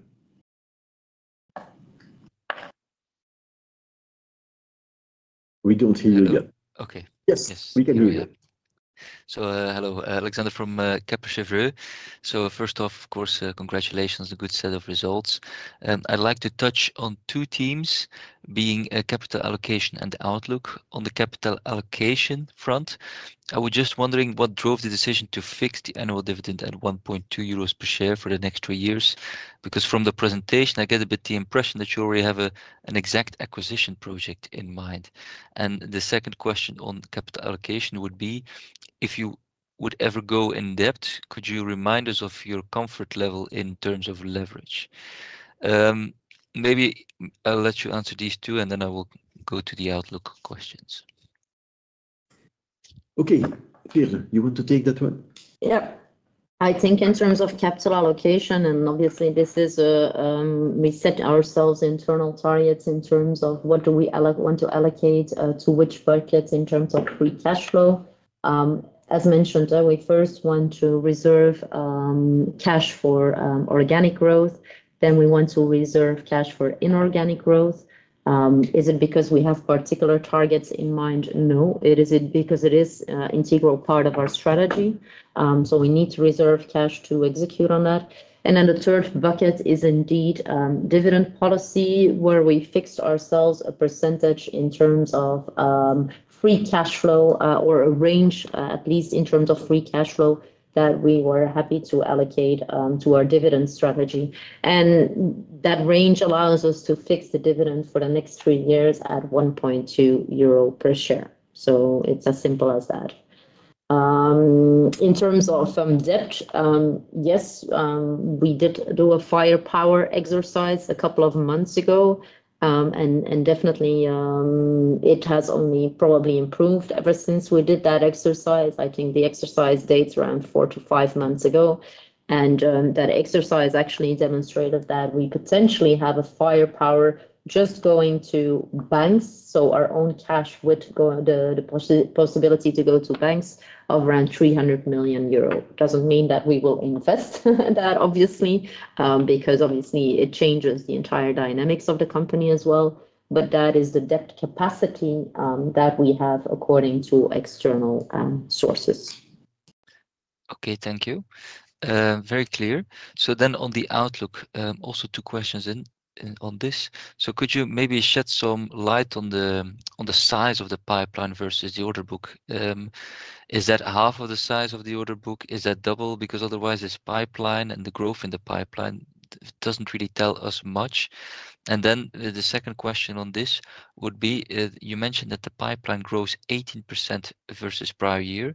A: We don't hear you yet. Okay. Yes, we can hear you.
D: So hello, Alexander from Kepler Cheuvreux. So first off, of course, congratulations, a good set of results. I'd like to touch on two themes being capital allocation and outlook on the capital allocation front. I was just wondering what drove the decision to fix the annual dividend at 1.2 euros per share for the next three years, because from the presentation, I get a bit the impression that you already have an exact acquisition project in mind. And the second question on capital allocation would be, if you would ever go in depth, could you remind us of your comfort level in terms of leverage? Maybe I'll let you answer these two, and then I will go to the outlook questions.
A: Okay, Veerle, you want to take that one? Yeah.
B: I think in terms of capital allocation, and obviously this is we set ourselves internal targets in terms of what do we want to allocate to which buckets in terms of free cash flow. As mentioned, we first want to reserve cash for organic growth. Then we want to reserve cash for inorganic growth. Is it because we have particular targets in mind? No. It is because it is an integral part of our strategy. So we need to reserve cash to execute on that. And then the third bucket is indeed dividend policy where we fixed ourselves a percentage in terms of free cash flow or a range, at least in terms of free cash flow that we were happy to allocate to our dividend strategy. And that range allows us to fix the dividend for the next three years at 1.2 euro per share. So it's as simple as that. In terms of depth, yes, we did do a firepower exercise a couple of months ago, and definitely it has only probably improved ever since we did that exercise. I think the exercise dates around four to five months ago. And that exercise actually demonstrated that we potentially have a firepower just going to banks. So our own cash with the possibility to go to banks of around 300 million euro. It doesn't mean that we will invest that, obviously, because obviously it changes the entire dynamics of the company as well. But that is the depth capacity that we have according to external sources.
D: Okay, thank you. Very clear. So then on the outlook, also two questions on this. So could you maybe shed some light on the size of the pipeline versus the order book? Is that half of the size of the order book? Is that double? Because otherwise this pipeline and the growth in the pipeline doesn't really tell us much. And then the second question on this would be, you mentioned that the pipeline grows 18% versus prior year.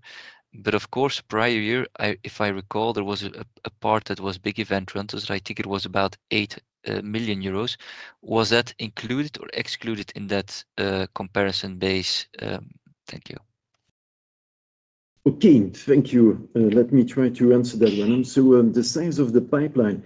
D: But of course, prior year, if I recall, there was a part that was big event rentals. I think it was about 8 million euros. Was that included or excluded in that comparison base? Thank you.
A: Okay, thank you. Let me try to answer that one. So the size of the pipeline,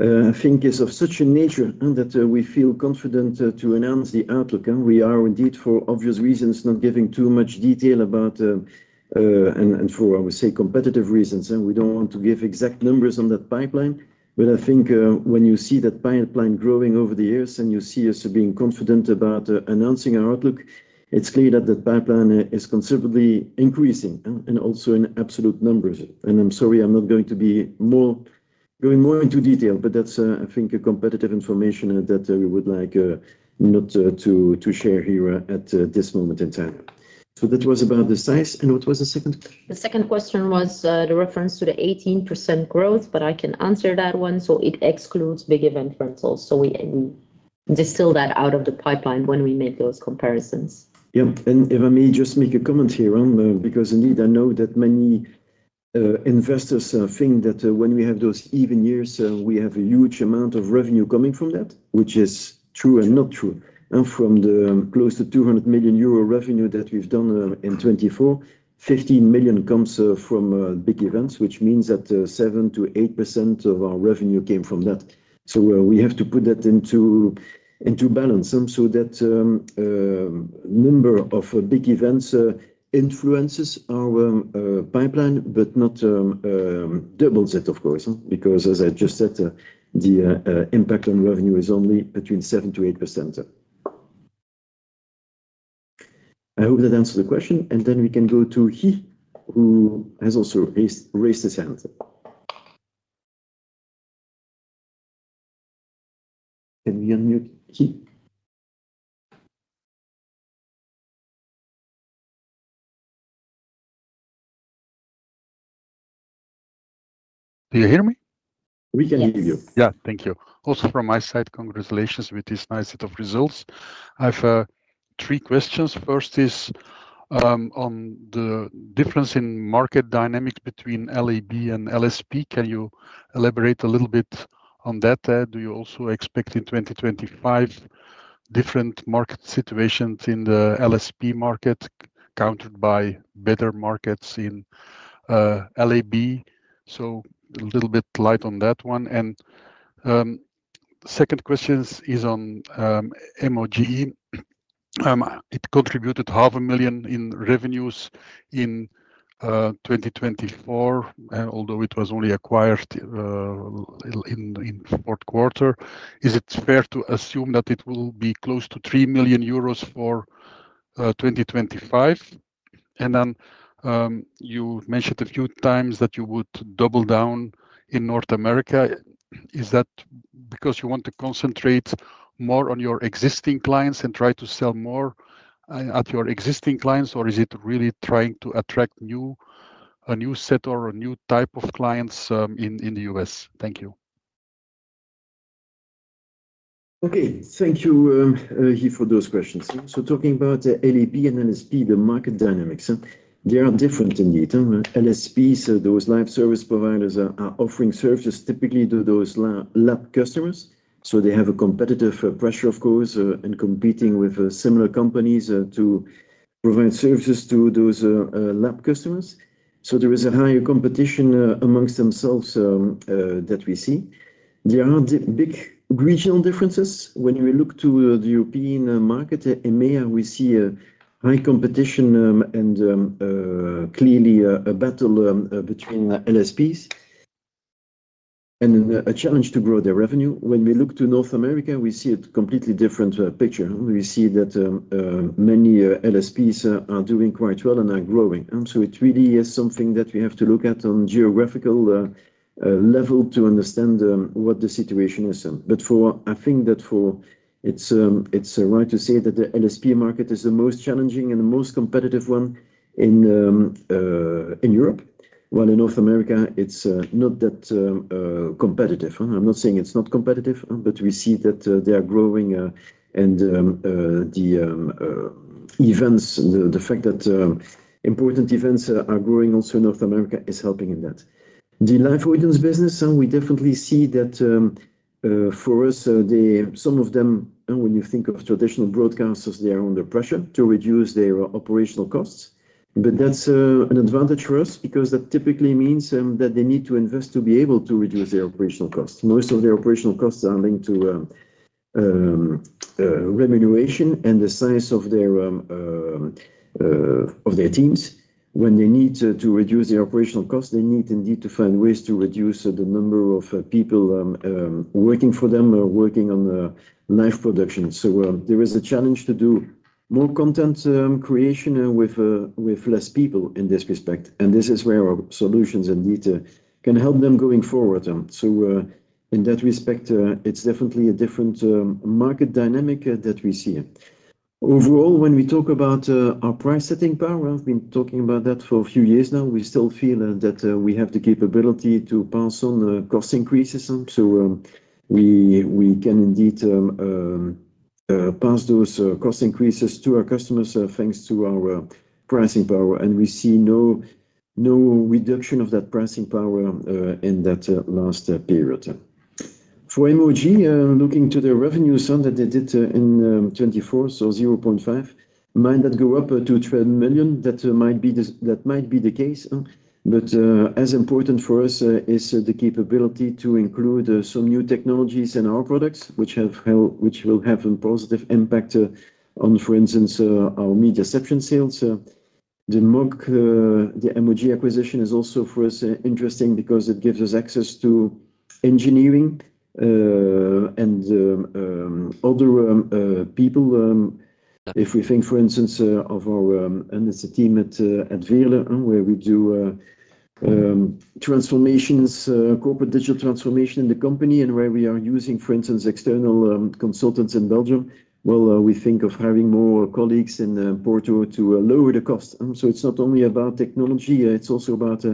A: I think, is of such a nature that we feel confident to announce the outlook. We are indeed, for obvious reasons, not giving too much detail about, and for, I would say, competitive reasons. We don't want to give exact numbers on that pipeline. But I think when you see that pipeline growing over the years and you see us being confident about announcing our outlook, it's clear that the pipeline is considerably increasing and also in absolute numbers. And I'm sorry, I'm not going to be going more into detail, but that's, I think, competitive information that we would like not to share here at this moment in time. So that was about the size. And what was the second?
B: The second question was the reference to the 18% growth, but I can answer that one. So it excludes big event rentals. So we distill that out of the pipeline when we make those comparisons.
A: Yeah. And if I may just make a comment here, because indeed I know that many investors think that when we have those even years, we have a huge amount of revenue coming from that, which is true and not true. From the close to 200 million euro revenue that we've done in 2024, 15 million comes from big events, which means that 7%-8% of our revenue came from that. So we have to put that into balance so that number of big events influences our pipeline, but not doubles it, of course, because, as I just said, the impact on revenue is only between 7%-8%. I hope that answers the question. And then we can go to Guy, who has also raised his hand. Can we unmute Guy? Do you hear me? We can hear you. Yeah, thank you. Also from my side, congratulations with this nice set of results. I have three questions. First is on the difference in market dynamics between LAB and LSP. Can you elaborate a little bit on that? Do you also expect in 2025 different market situations in the LSP market countered by better markets in LAB? So a little bit light on that one. And second question is on MOG. It contributed 500,000 in revenues in 2024, although it was only acquired in Q4. Is it fair to assume that it will be close to 3 million euros for 2025? And then you mentioned a few times that you would double down in North America. Is that because you want to concentrate more on your existing clients and try to sell more at your existing clients, or is it really trying to attract a new set or a new type of clients in the US? Thank you. Okay, thank you, Guy, for those questions. So talking about LAB and LSP, the market dynamics, they are different indeed. LSP, so those live service providers are offering services typically to those LAB customers. So they have a competitive pressure, of course, and competing with similar companies to provide services to those LAB customers. So there is a higher competition amongst themselves that we see. There are big regional differences. When we look to the European market, EMEA, we see a high competition and clearly a battle between LSPs and a challenge to grow their revenue. When we look to North America, we see a completely different picture. We see that many LSPs are doing quite well and are growing. So it really is something that we have to look at on a geographical level to understand what the situation is. But I think that it's right to say that the LSP market is the most challenging and the most competitive one in Europe. While in North America, it's not that competitive. I'm not saying it's not competitive, but we see that they are growing. And the events, the fact that important events are growing also in North America is helping in that. The live audience business, we definitely see that for us, some of them, when you think of traditional broadcasters, they are under pressure to reduce their operational costs. But that's an advantage for us because that typically means that they need to invest to be able to reduce their operational costs. Most of their operational costs are linked to remuneration and the size of their teams. When they need to reduce their operational costs, they need indeed to find ways to reduce the number of people working for them or working on live production. So there is a challenge to do more content creation with less people in this respect. And this is where our solutions indeed can help them going forward. So in that respect, it's definitely a different market dynamic that we see. Overall, when we talk about our price-setting power, I've been talking about that for a few years now. We still feel that we have the capability to pass on cost increases. So we can indeed pass those cost increases to our customers thanks to our pricing power. And we see no reduction of that pricing power in that last period. For MOG, looking to their revenues that they did in 2024, so 0.5 million, might that go up to 12 million? That might be the case, but as important for us is the capability to include some new technologies in our products, which will have a positive impact on, for instance, our MediaCeption sales. The MOG acquisition is also for us interesting because it gives us access to engineering and other people. If we think, for instance, of our team at Veerle, where we do corporate digital transformation in the company and where we are using, for instance, external consultants in Belgium, well, we think of having more colleagues in Porto to lower the cost, so it's not only about technology, it's also about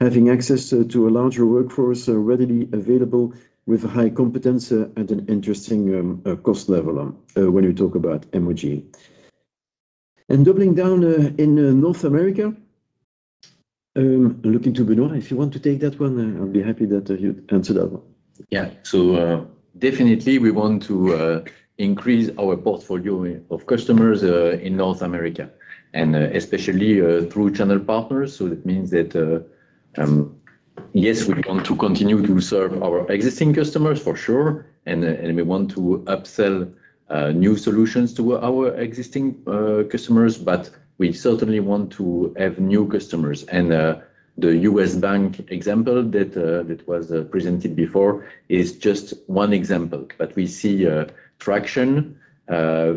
A: having access to a larger workforce readily available with high competence at an interesting cost level when we talk about MOG. And doubling down in North America, looking to Benoît, if you want to take that one, I'll be happy that you answer that one.
C: Yeah. So definitely we want to increase our portfolio of customers in North America and especially through channel partners. So that means that, yes, we want to continue to serve our existing customers, for sure. And we want to upsell new solutions to our existing customers, but we certainly want to have new customers. And the U.S. bank example that was presented before is just one example, but we see traction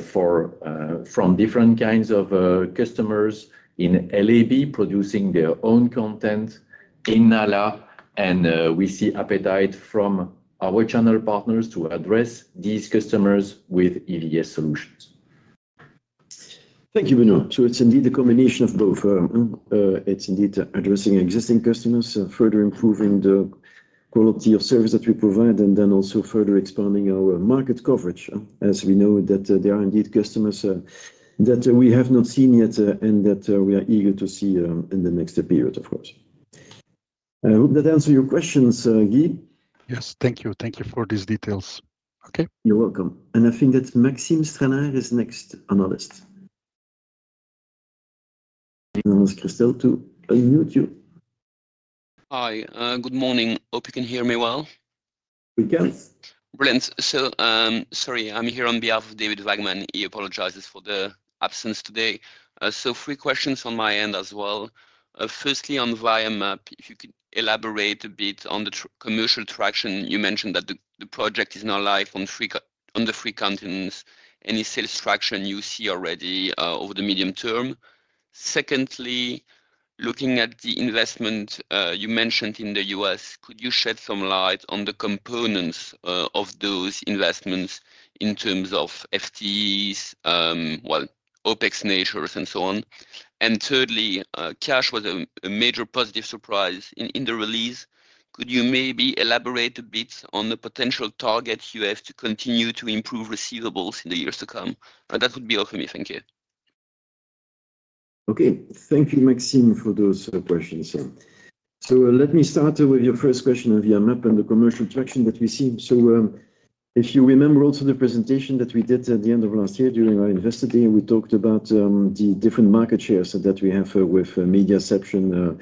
C: from different kinds of customers in LAB producing their own content in NALA. And we see appetite from our channel partners to address these customers with EVS solutions.
A: Thank you, Benoît. So it's indeed a combination of both. It's indeed addressing existing customers, further improving the quality of service that we provide, and then also further expanding our market coverage. As we know that there are indeed customers that we have not seen yet and that we are eager to see in the next period, of course. I hope that answers your questions, Guy. Yes, thank you. Thank you for these details. Okay. You're welcome. And I think that Maxime Stranart is next, analyst. And now, Christel, to unmute you.
E: Hi. Good morning. Hope you can hear me well.
A: We can.
E: Brilliant. So sorry, I'm here on behalf of David Vagman. He apologizes for the absence today. So three questions on my end as well. Firstly, on VMAP, if you could elaborate a bit on the commercial traction. You mentioned that the project is now live on the three continents. Any sales traction you see already over the medium term? Secondly, looking at the investment you mentioned in the U.S., could you shed some light on the components of those investments in terms of FTEs, well, OpEx nature, and so on? And thirdly, cash was a major positive surprise in the release. Could you maybe elaborate a bit on the potential targets you have to continue to improve receivables in the years to come? That would be awesome. Thank you.
A: Okay. Thank you, Maxime, for those questions. So let me start with your first question of VMAP and the commercial traction that we see. So if you remember also the presentation that we did at the end of last year during our investor day, we talked about the different market shares that we have with MediaCeption.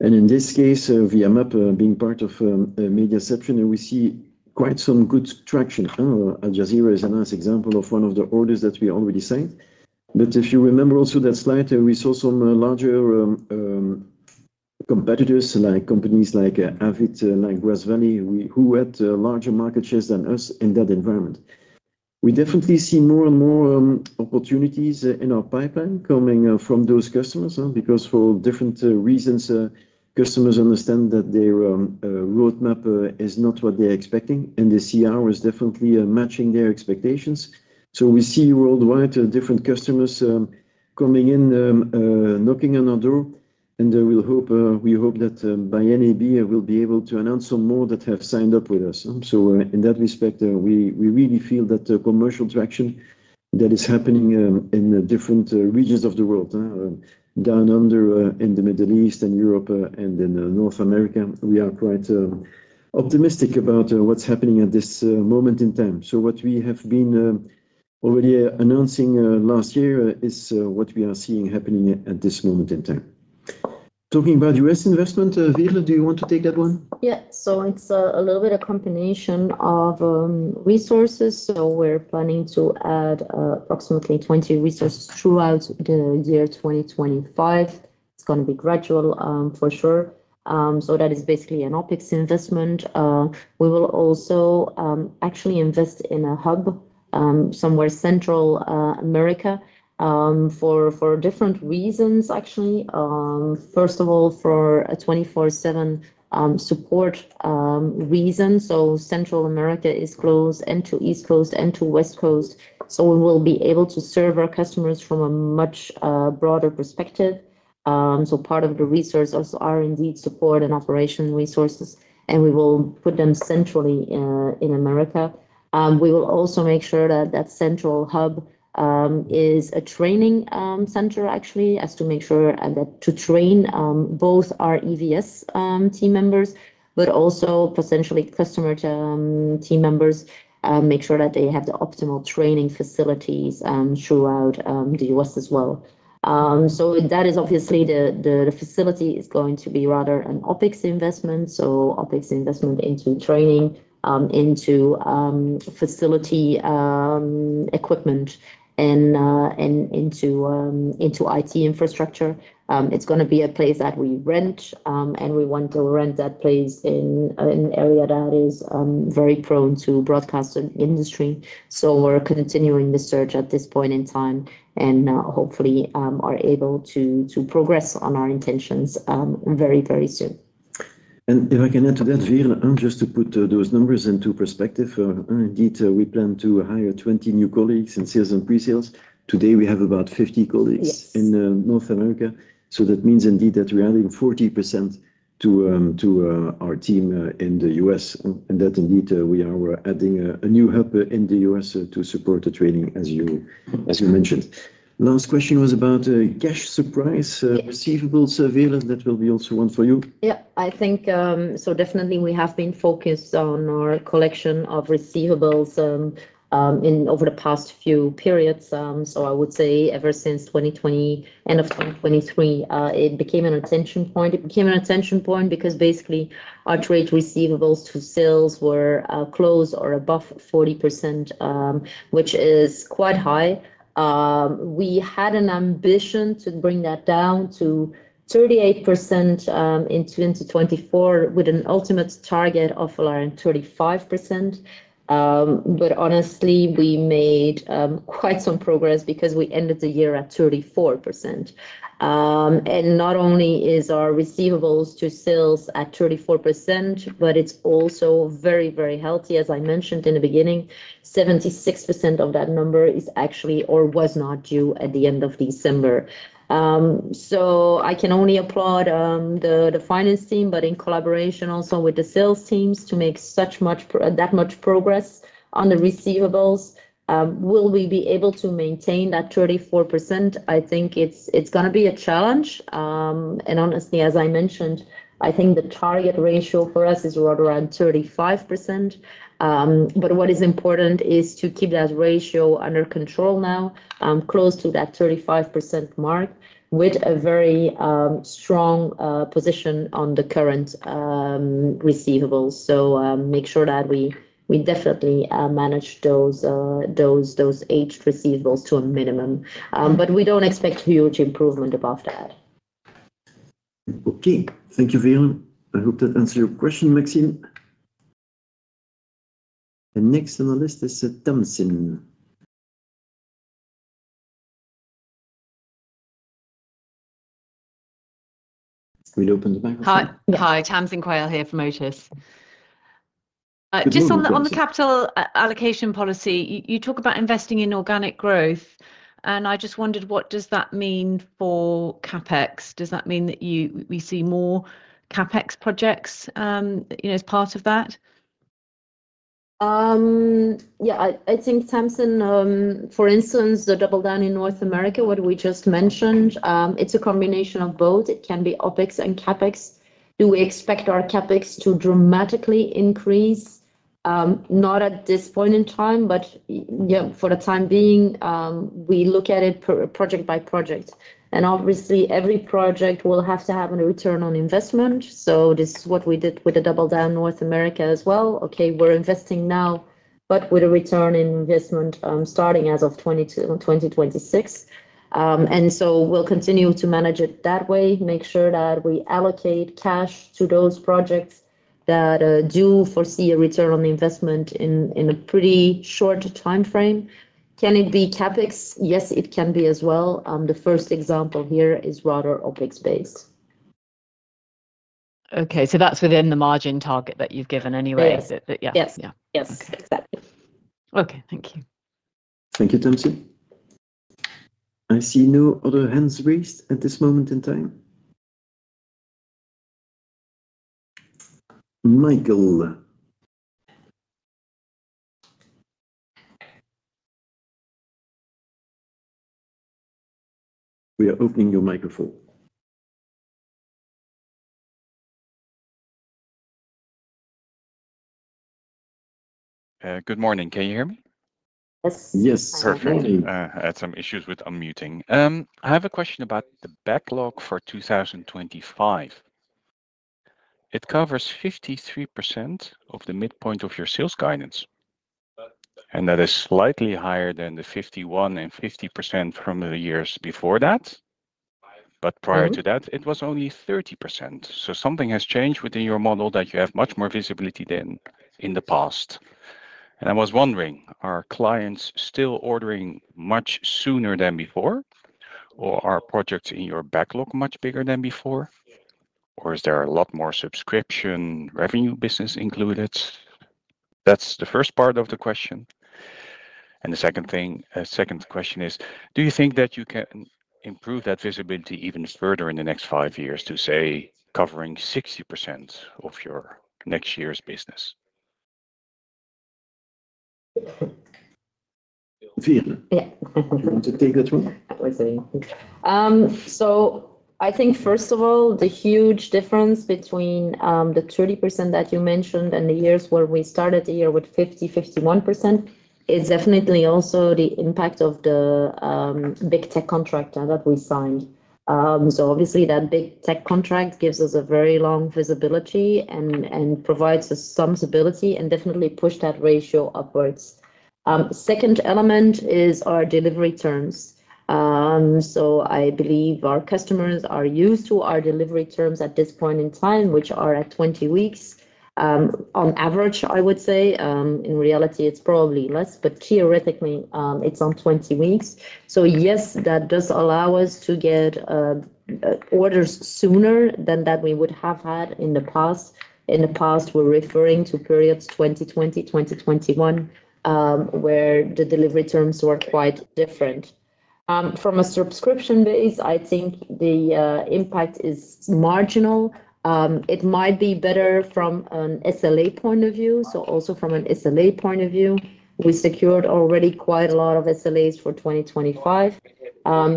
A: In this case, VMAP being part of MediaCeption, we see quite some good traction. Al Jazeera is a nice example of one of the orders that we already signed. If you remember also that slide, we saw some larger competitors like companies like Avid, like Grass Valley, who had larger market shares than us in that environment. We definitely see more and more opportunities in our pipeline coming from those customers because for different reasons, customers understand that their roadmap is not what they're expecting, and the UX is definitely matching their expectations. We see worldwide different customers coming in, knocking on our door, and we hope that by NAB, we'll be able to announce some more that have signed up with us. So in that respect, we really feel that the commercial traction that is happening in different regions of the world, down under in the Middle East and Europe and in North America, we are quite optimistic about what's happening at this moment in time. So what we have been already announcing last year is what we are seeing happening at this moment in time. Talking about U.S. investment, Veerle, do you want to take that one?
B: Yeah. So it's a little bit of a combination of resources. So we're planning to add approximately 20 resources throughout the year 2025. It's going to be gradual, for sure. So that is basically an OpEx investment. We will also actually invest in a hub somewhere in Central America for different reasons, actually. First of all, for a 24/7 support reason. So Central America is close to the East Coast and to the West Coast. So we will be able to serve our customers from a much broader perspective. So part of the resources are indeed support and operation resources, and we will put them centrally in America. We will also make sure that that central hub is a training center, actually, as to make sure to train both our EVS team members, but also potentially customer team members, make sure that they have the optimal training facilities throughout the U.S. as well. So that is obviously the facility is going to be rather an OpEx investment. So OpEx investment into training, into facility equipment, and into IT infrastructure. It's going to be a place that we rent, and we want to rent that place in an area that is very prone to broadcast industry. We're continuing the search at this point in time and hopefully are able to progress on our intentions very, very soon.
A: If I can add to that, Veerle, just to put those numbers into perspective, indeed, we plan to hire 20 new colleagues in sales and pre-sales. Today, we have about 50 colleagues in North America. That means indeed that we are adding 40% to our team in the U.S. And that indeed, we are adding a new hub in the U.S. to support the training, as you mentioned. The last question was about cash surplus, receivables available. That will be also one for you.
B: Yeah. I think so, definitely. We have been focused on our collection of receivables over the past few periods. So I would say ever since 2020, end of 2023, it became an attention point. It became an attention point because basically our trade receivables to sales were close or above 40%, which is quite high. We had an ambition to bring that down to 38% in 2024 with an ultimate target of around 35%, but honestly, we made quite some progress because we ended the year at 34%, and not only is our receivables to sales at 34%, but it's also very, very healthy. As I mentioned in the beginning, 76% of that number is actually or was not due at the end of December. So I can only applaud the finance team, but in collaboration also with the sales teams to make that much progress on the receivables. Will we be able to maintain that 34%? I think it's going to be a challenge, and honestly, as I mentioned, I think the target ratio for us is right around 35%. But what is important is to keep that ratio under control now, close to that 35% mark with a very strong position on the current receivables. So make sure that we definitely manage those aged receivables to a minimum. But we don't expect huge improvement above that.
A: Okay. Thank you, Veerle. I hope that answers your question, Maxime. And next on the list is Tamsin. Will you open the microphone?
F: Hi, Tamsin Quayle here from Otus. Just on the capital allocation policy, you talk about investing in organic growth. And I just wondered, what does that mean for CapEx? Does that mean that we see more CapEx projects as part of that?
B: Yeah. I think Tamsin, for instance, the double down in North America, what we just mentioned, it's a combination of both. It can be OpEx and CapEx. Do we expect our CapEx to dramatically increase? Not at this point in time, but for the time being, we look at it project by project. And obviously, every project will have to have a return on investment. So this is what we did with the doubling down in North America as well. Okay, we're investing now, but with a return on investment starting as of 2026. And so we'll continue to manage it that way, make sure that we allocate cash to those projects that do foresee a return on investment in a pretty short time frame. Can it be CapEx? Yes, it can be as well. The first example here is rather OpEx-based.
F: Okay. So that's within the margin target that you've given anyway. Is it? Yeah.
B: Yes. Yes. Exactly.
F: Okay. Thank you.
A: Thank you, Tamsin. I see no other hands raised at this moment in time. Michael. We are opening your microphone.
G: Good morning. Can you hear me?
A: Yes.
B: Yes.
G: Perfect. I had some issues with unmuting. I have a question about the backlog for 2025. It covers 53% of the midpoint of your sales guidance. And that is slightly higher than the 51% and 50% from the years before that. But prior to that, it was only 30%. So something has changed within your model that you have much more visibility than in the past. And I was wondering, are clients still ordering much sooner than before, or are projects in your backlog much bigger than before, or is there a lot more subscription revenue business included? That's the first part of the question. And the second question is, do you think that you can improve that visibility even further in the next five years to say, covering 60% of your next year's business?
A: Veerle, do you want to take that one?
B: I think, first of all, the huge difference between the 30% that you mentioned and the years where we started the year with 50%, 51% is definitely also the impact of the big tech contract that we signed. Obviously, that big tech contract gives us a very long visibility and provides us some stability and definitely pushed that ratio upwards. Second element is our delivery terms. I believe our customers are used to our delivery terms at this point in time, which are at 20 weeks on average, I would say. In reality, it's probably less, but theoretically, it's on 20 weeks. Yes, that does allow us to get orders sooner than that we would have had in the past. In the past, we're referring to periods 2020, 2021, where the delivery terms were quite different. From a subscription base, I think the impact is marginal. It might be better from an SLA point of view. So also from an SLA point of view, we secured already quite a lot of SLAs for 2025.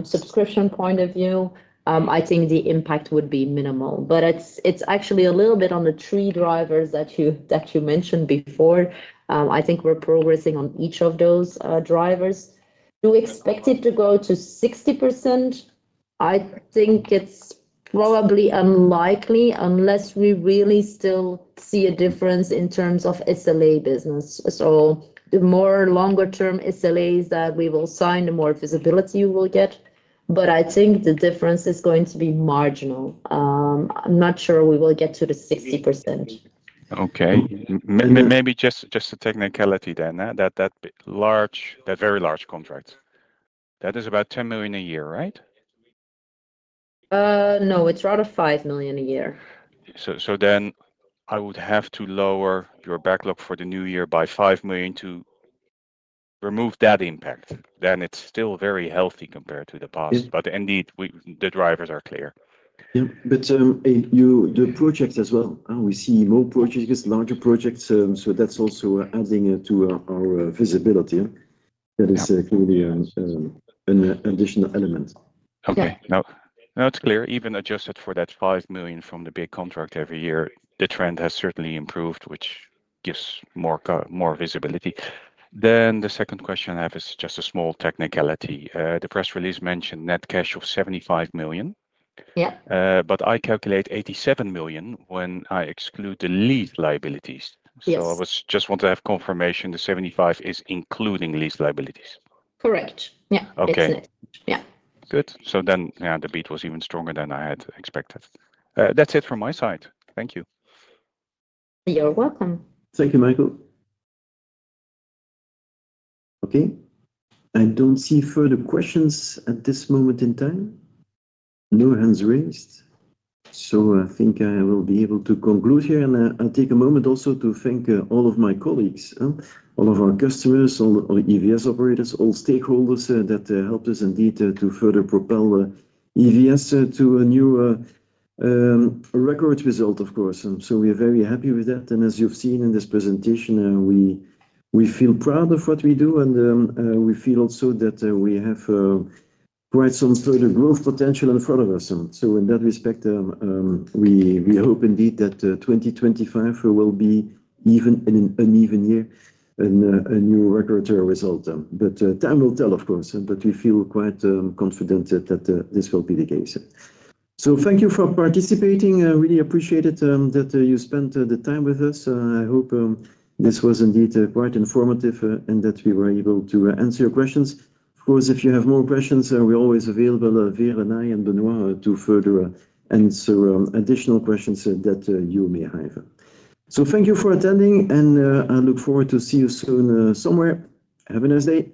B: Subscription point of view, I think the impact would be minimal. But it's actually a little bit on the three drivers that you mentioned before. I think we're progressing on each of those drivers. Do we expect it to go to 60%? I think it's probably unlikely unless we really still see a difference in terms of SLA business. So the more longer-term SLAs that we will sign, the more visibility we will get. But I think the difference is going to be marginal. I'm not sure we will get to the 60%.
G: Okay. Maybe just a technicality then, that very large contract. That is about 10 million a year, right?
B: No, it's rather 5 million a year.
G: So then I would have to lower your backlog for the new year by 5 million to remove that impact. Then it's still very healthy compared to the past. But indeed, the drivers are clear.
A: Yeah. But the projects as well, we see more projects, larger projects. So that's also adding to our visibility. That is clearly an additional element.
G: Okay. Now it's clear, even adjusted for that 5 million from the big contract every year, the trend has certainly improved, which gives more visibility. Then the second question I have is just a small technicality. The press release mentioned net cash of 75 million. But I calculate 87 million when I exclude the lease liabilities. So I just want to have confirmation the 75 is including lease liabilities. Correct. Yeah. Exactly. Yeah. Good. So then the beat was even stronger than I had expected. That's it from my side. Thank you.
B: You're welcome.
A: Thank you, Michael. Okay. I don't see further questions at this moment in time. No hands raised, so I think I will be able to conclude here, and I'll take a moment also to thank all of my colleagues, all of our customers, all EVS operators, all stakeholders that helped us indeed to further propel EVS to a new record result, of course, so we are very happy with that, and as you've seen in this presentation, we feel proud of what we do, and we feel also that we have quite some further growth potential in front of us, so in that respect, we hope indeed that 2025 will be even an uneven year and a new record result, but time will tell, of course, but we feel quite confident that this will be the case, so thank you for participating. I really appreciate it that you spent the time with us. I hope this was indeed quite informative and that we were able to answer your questions. Of course, if you have more questions, we're always available, Veerle, and I and Benoît to further answer additional questions that you may have. So thank you for attending, and I look forward to seeing you soon somewhere. Have a nice day.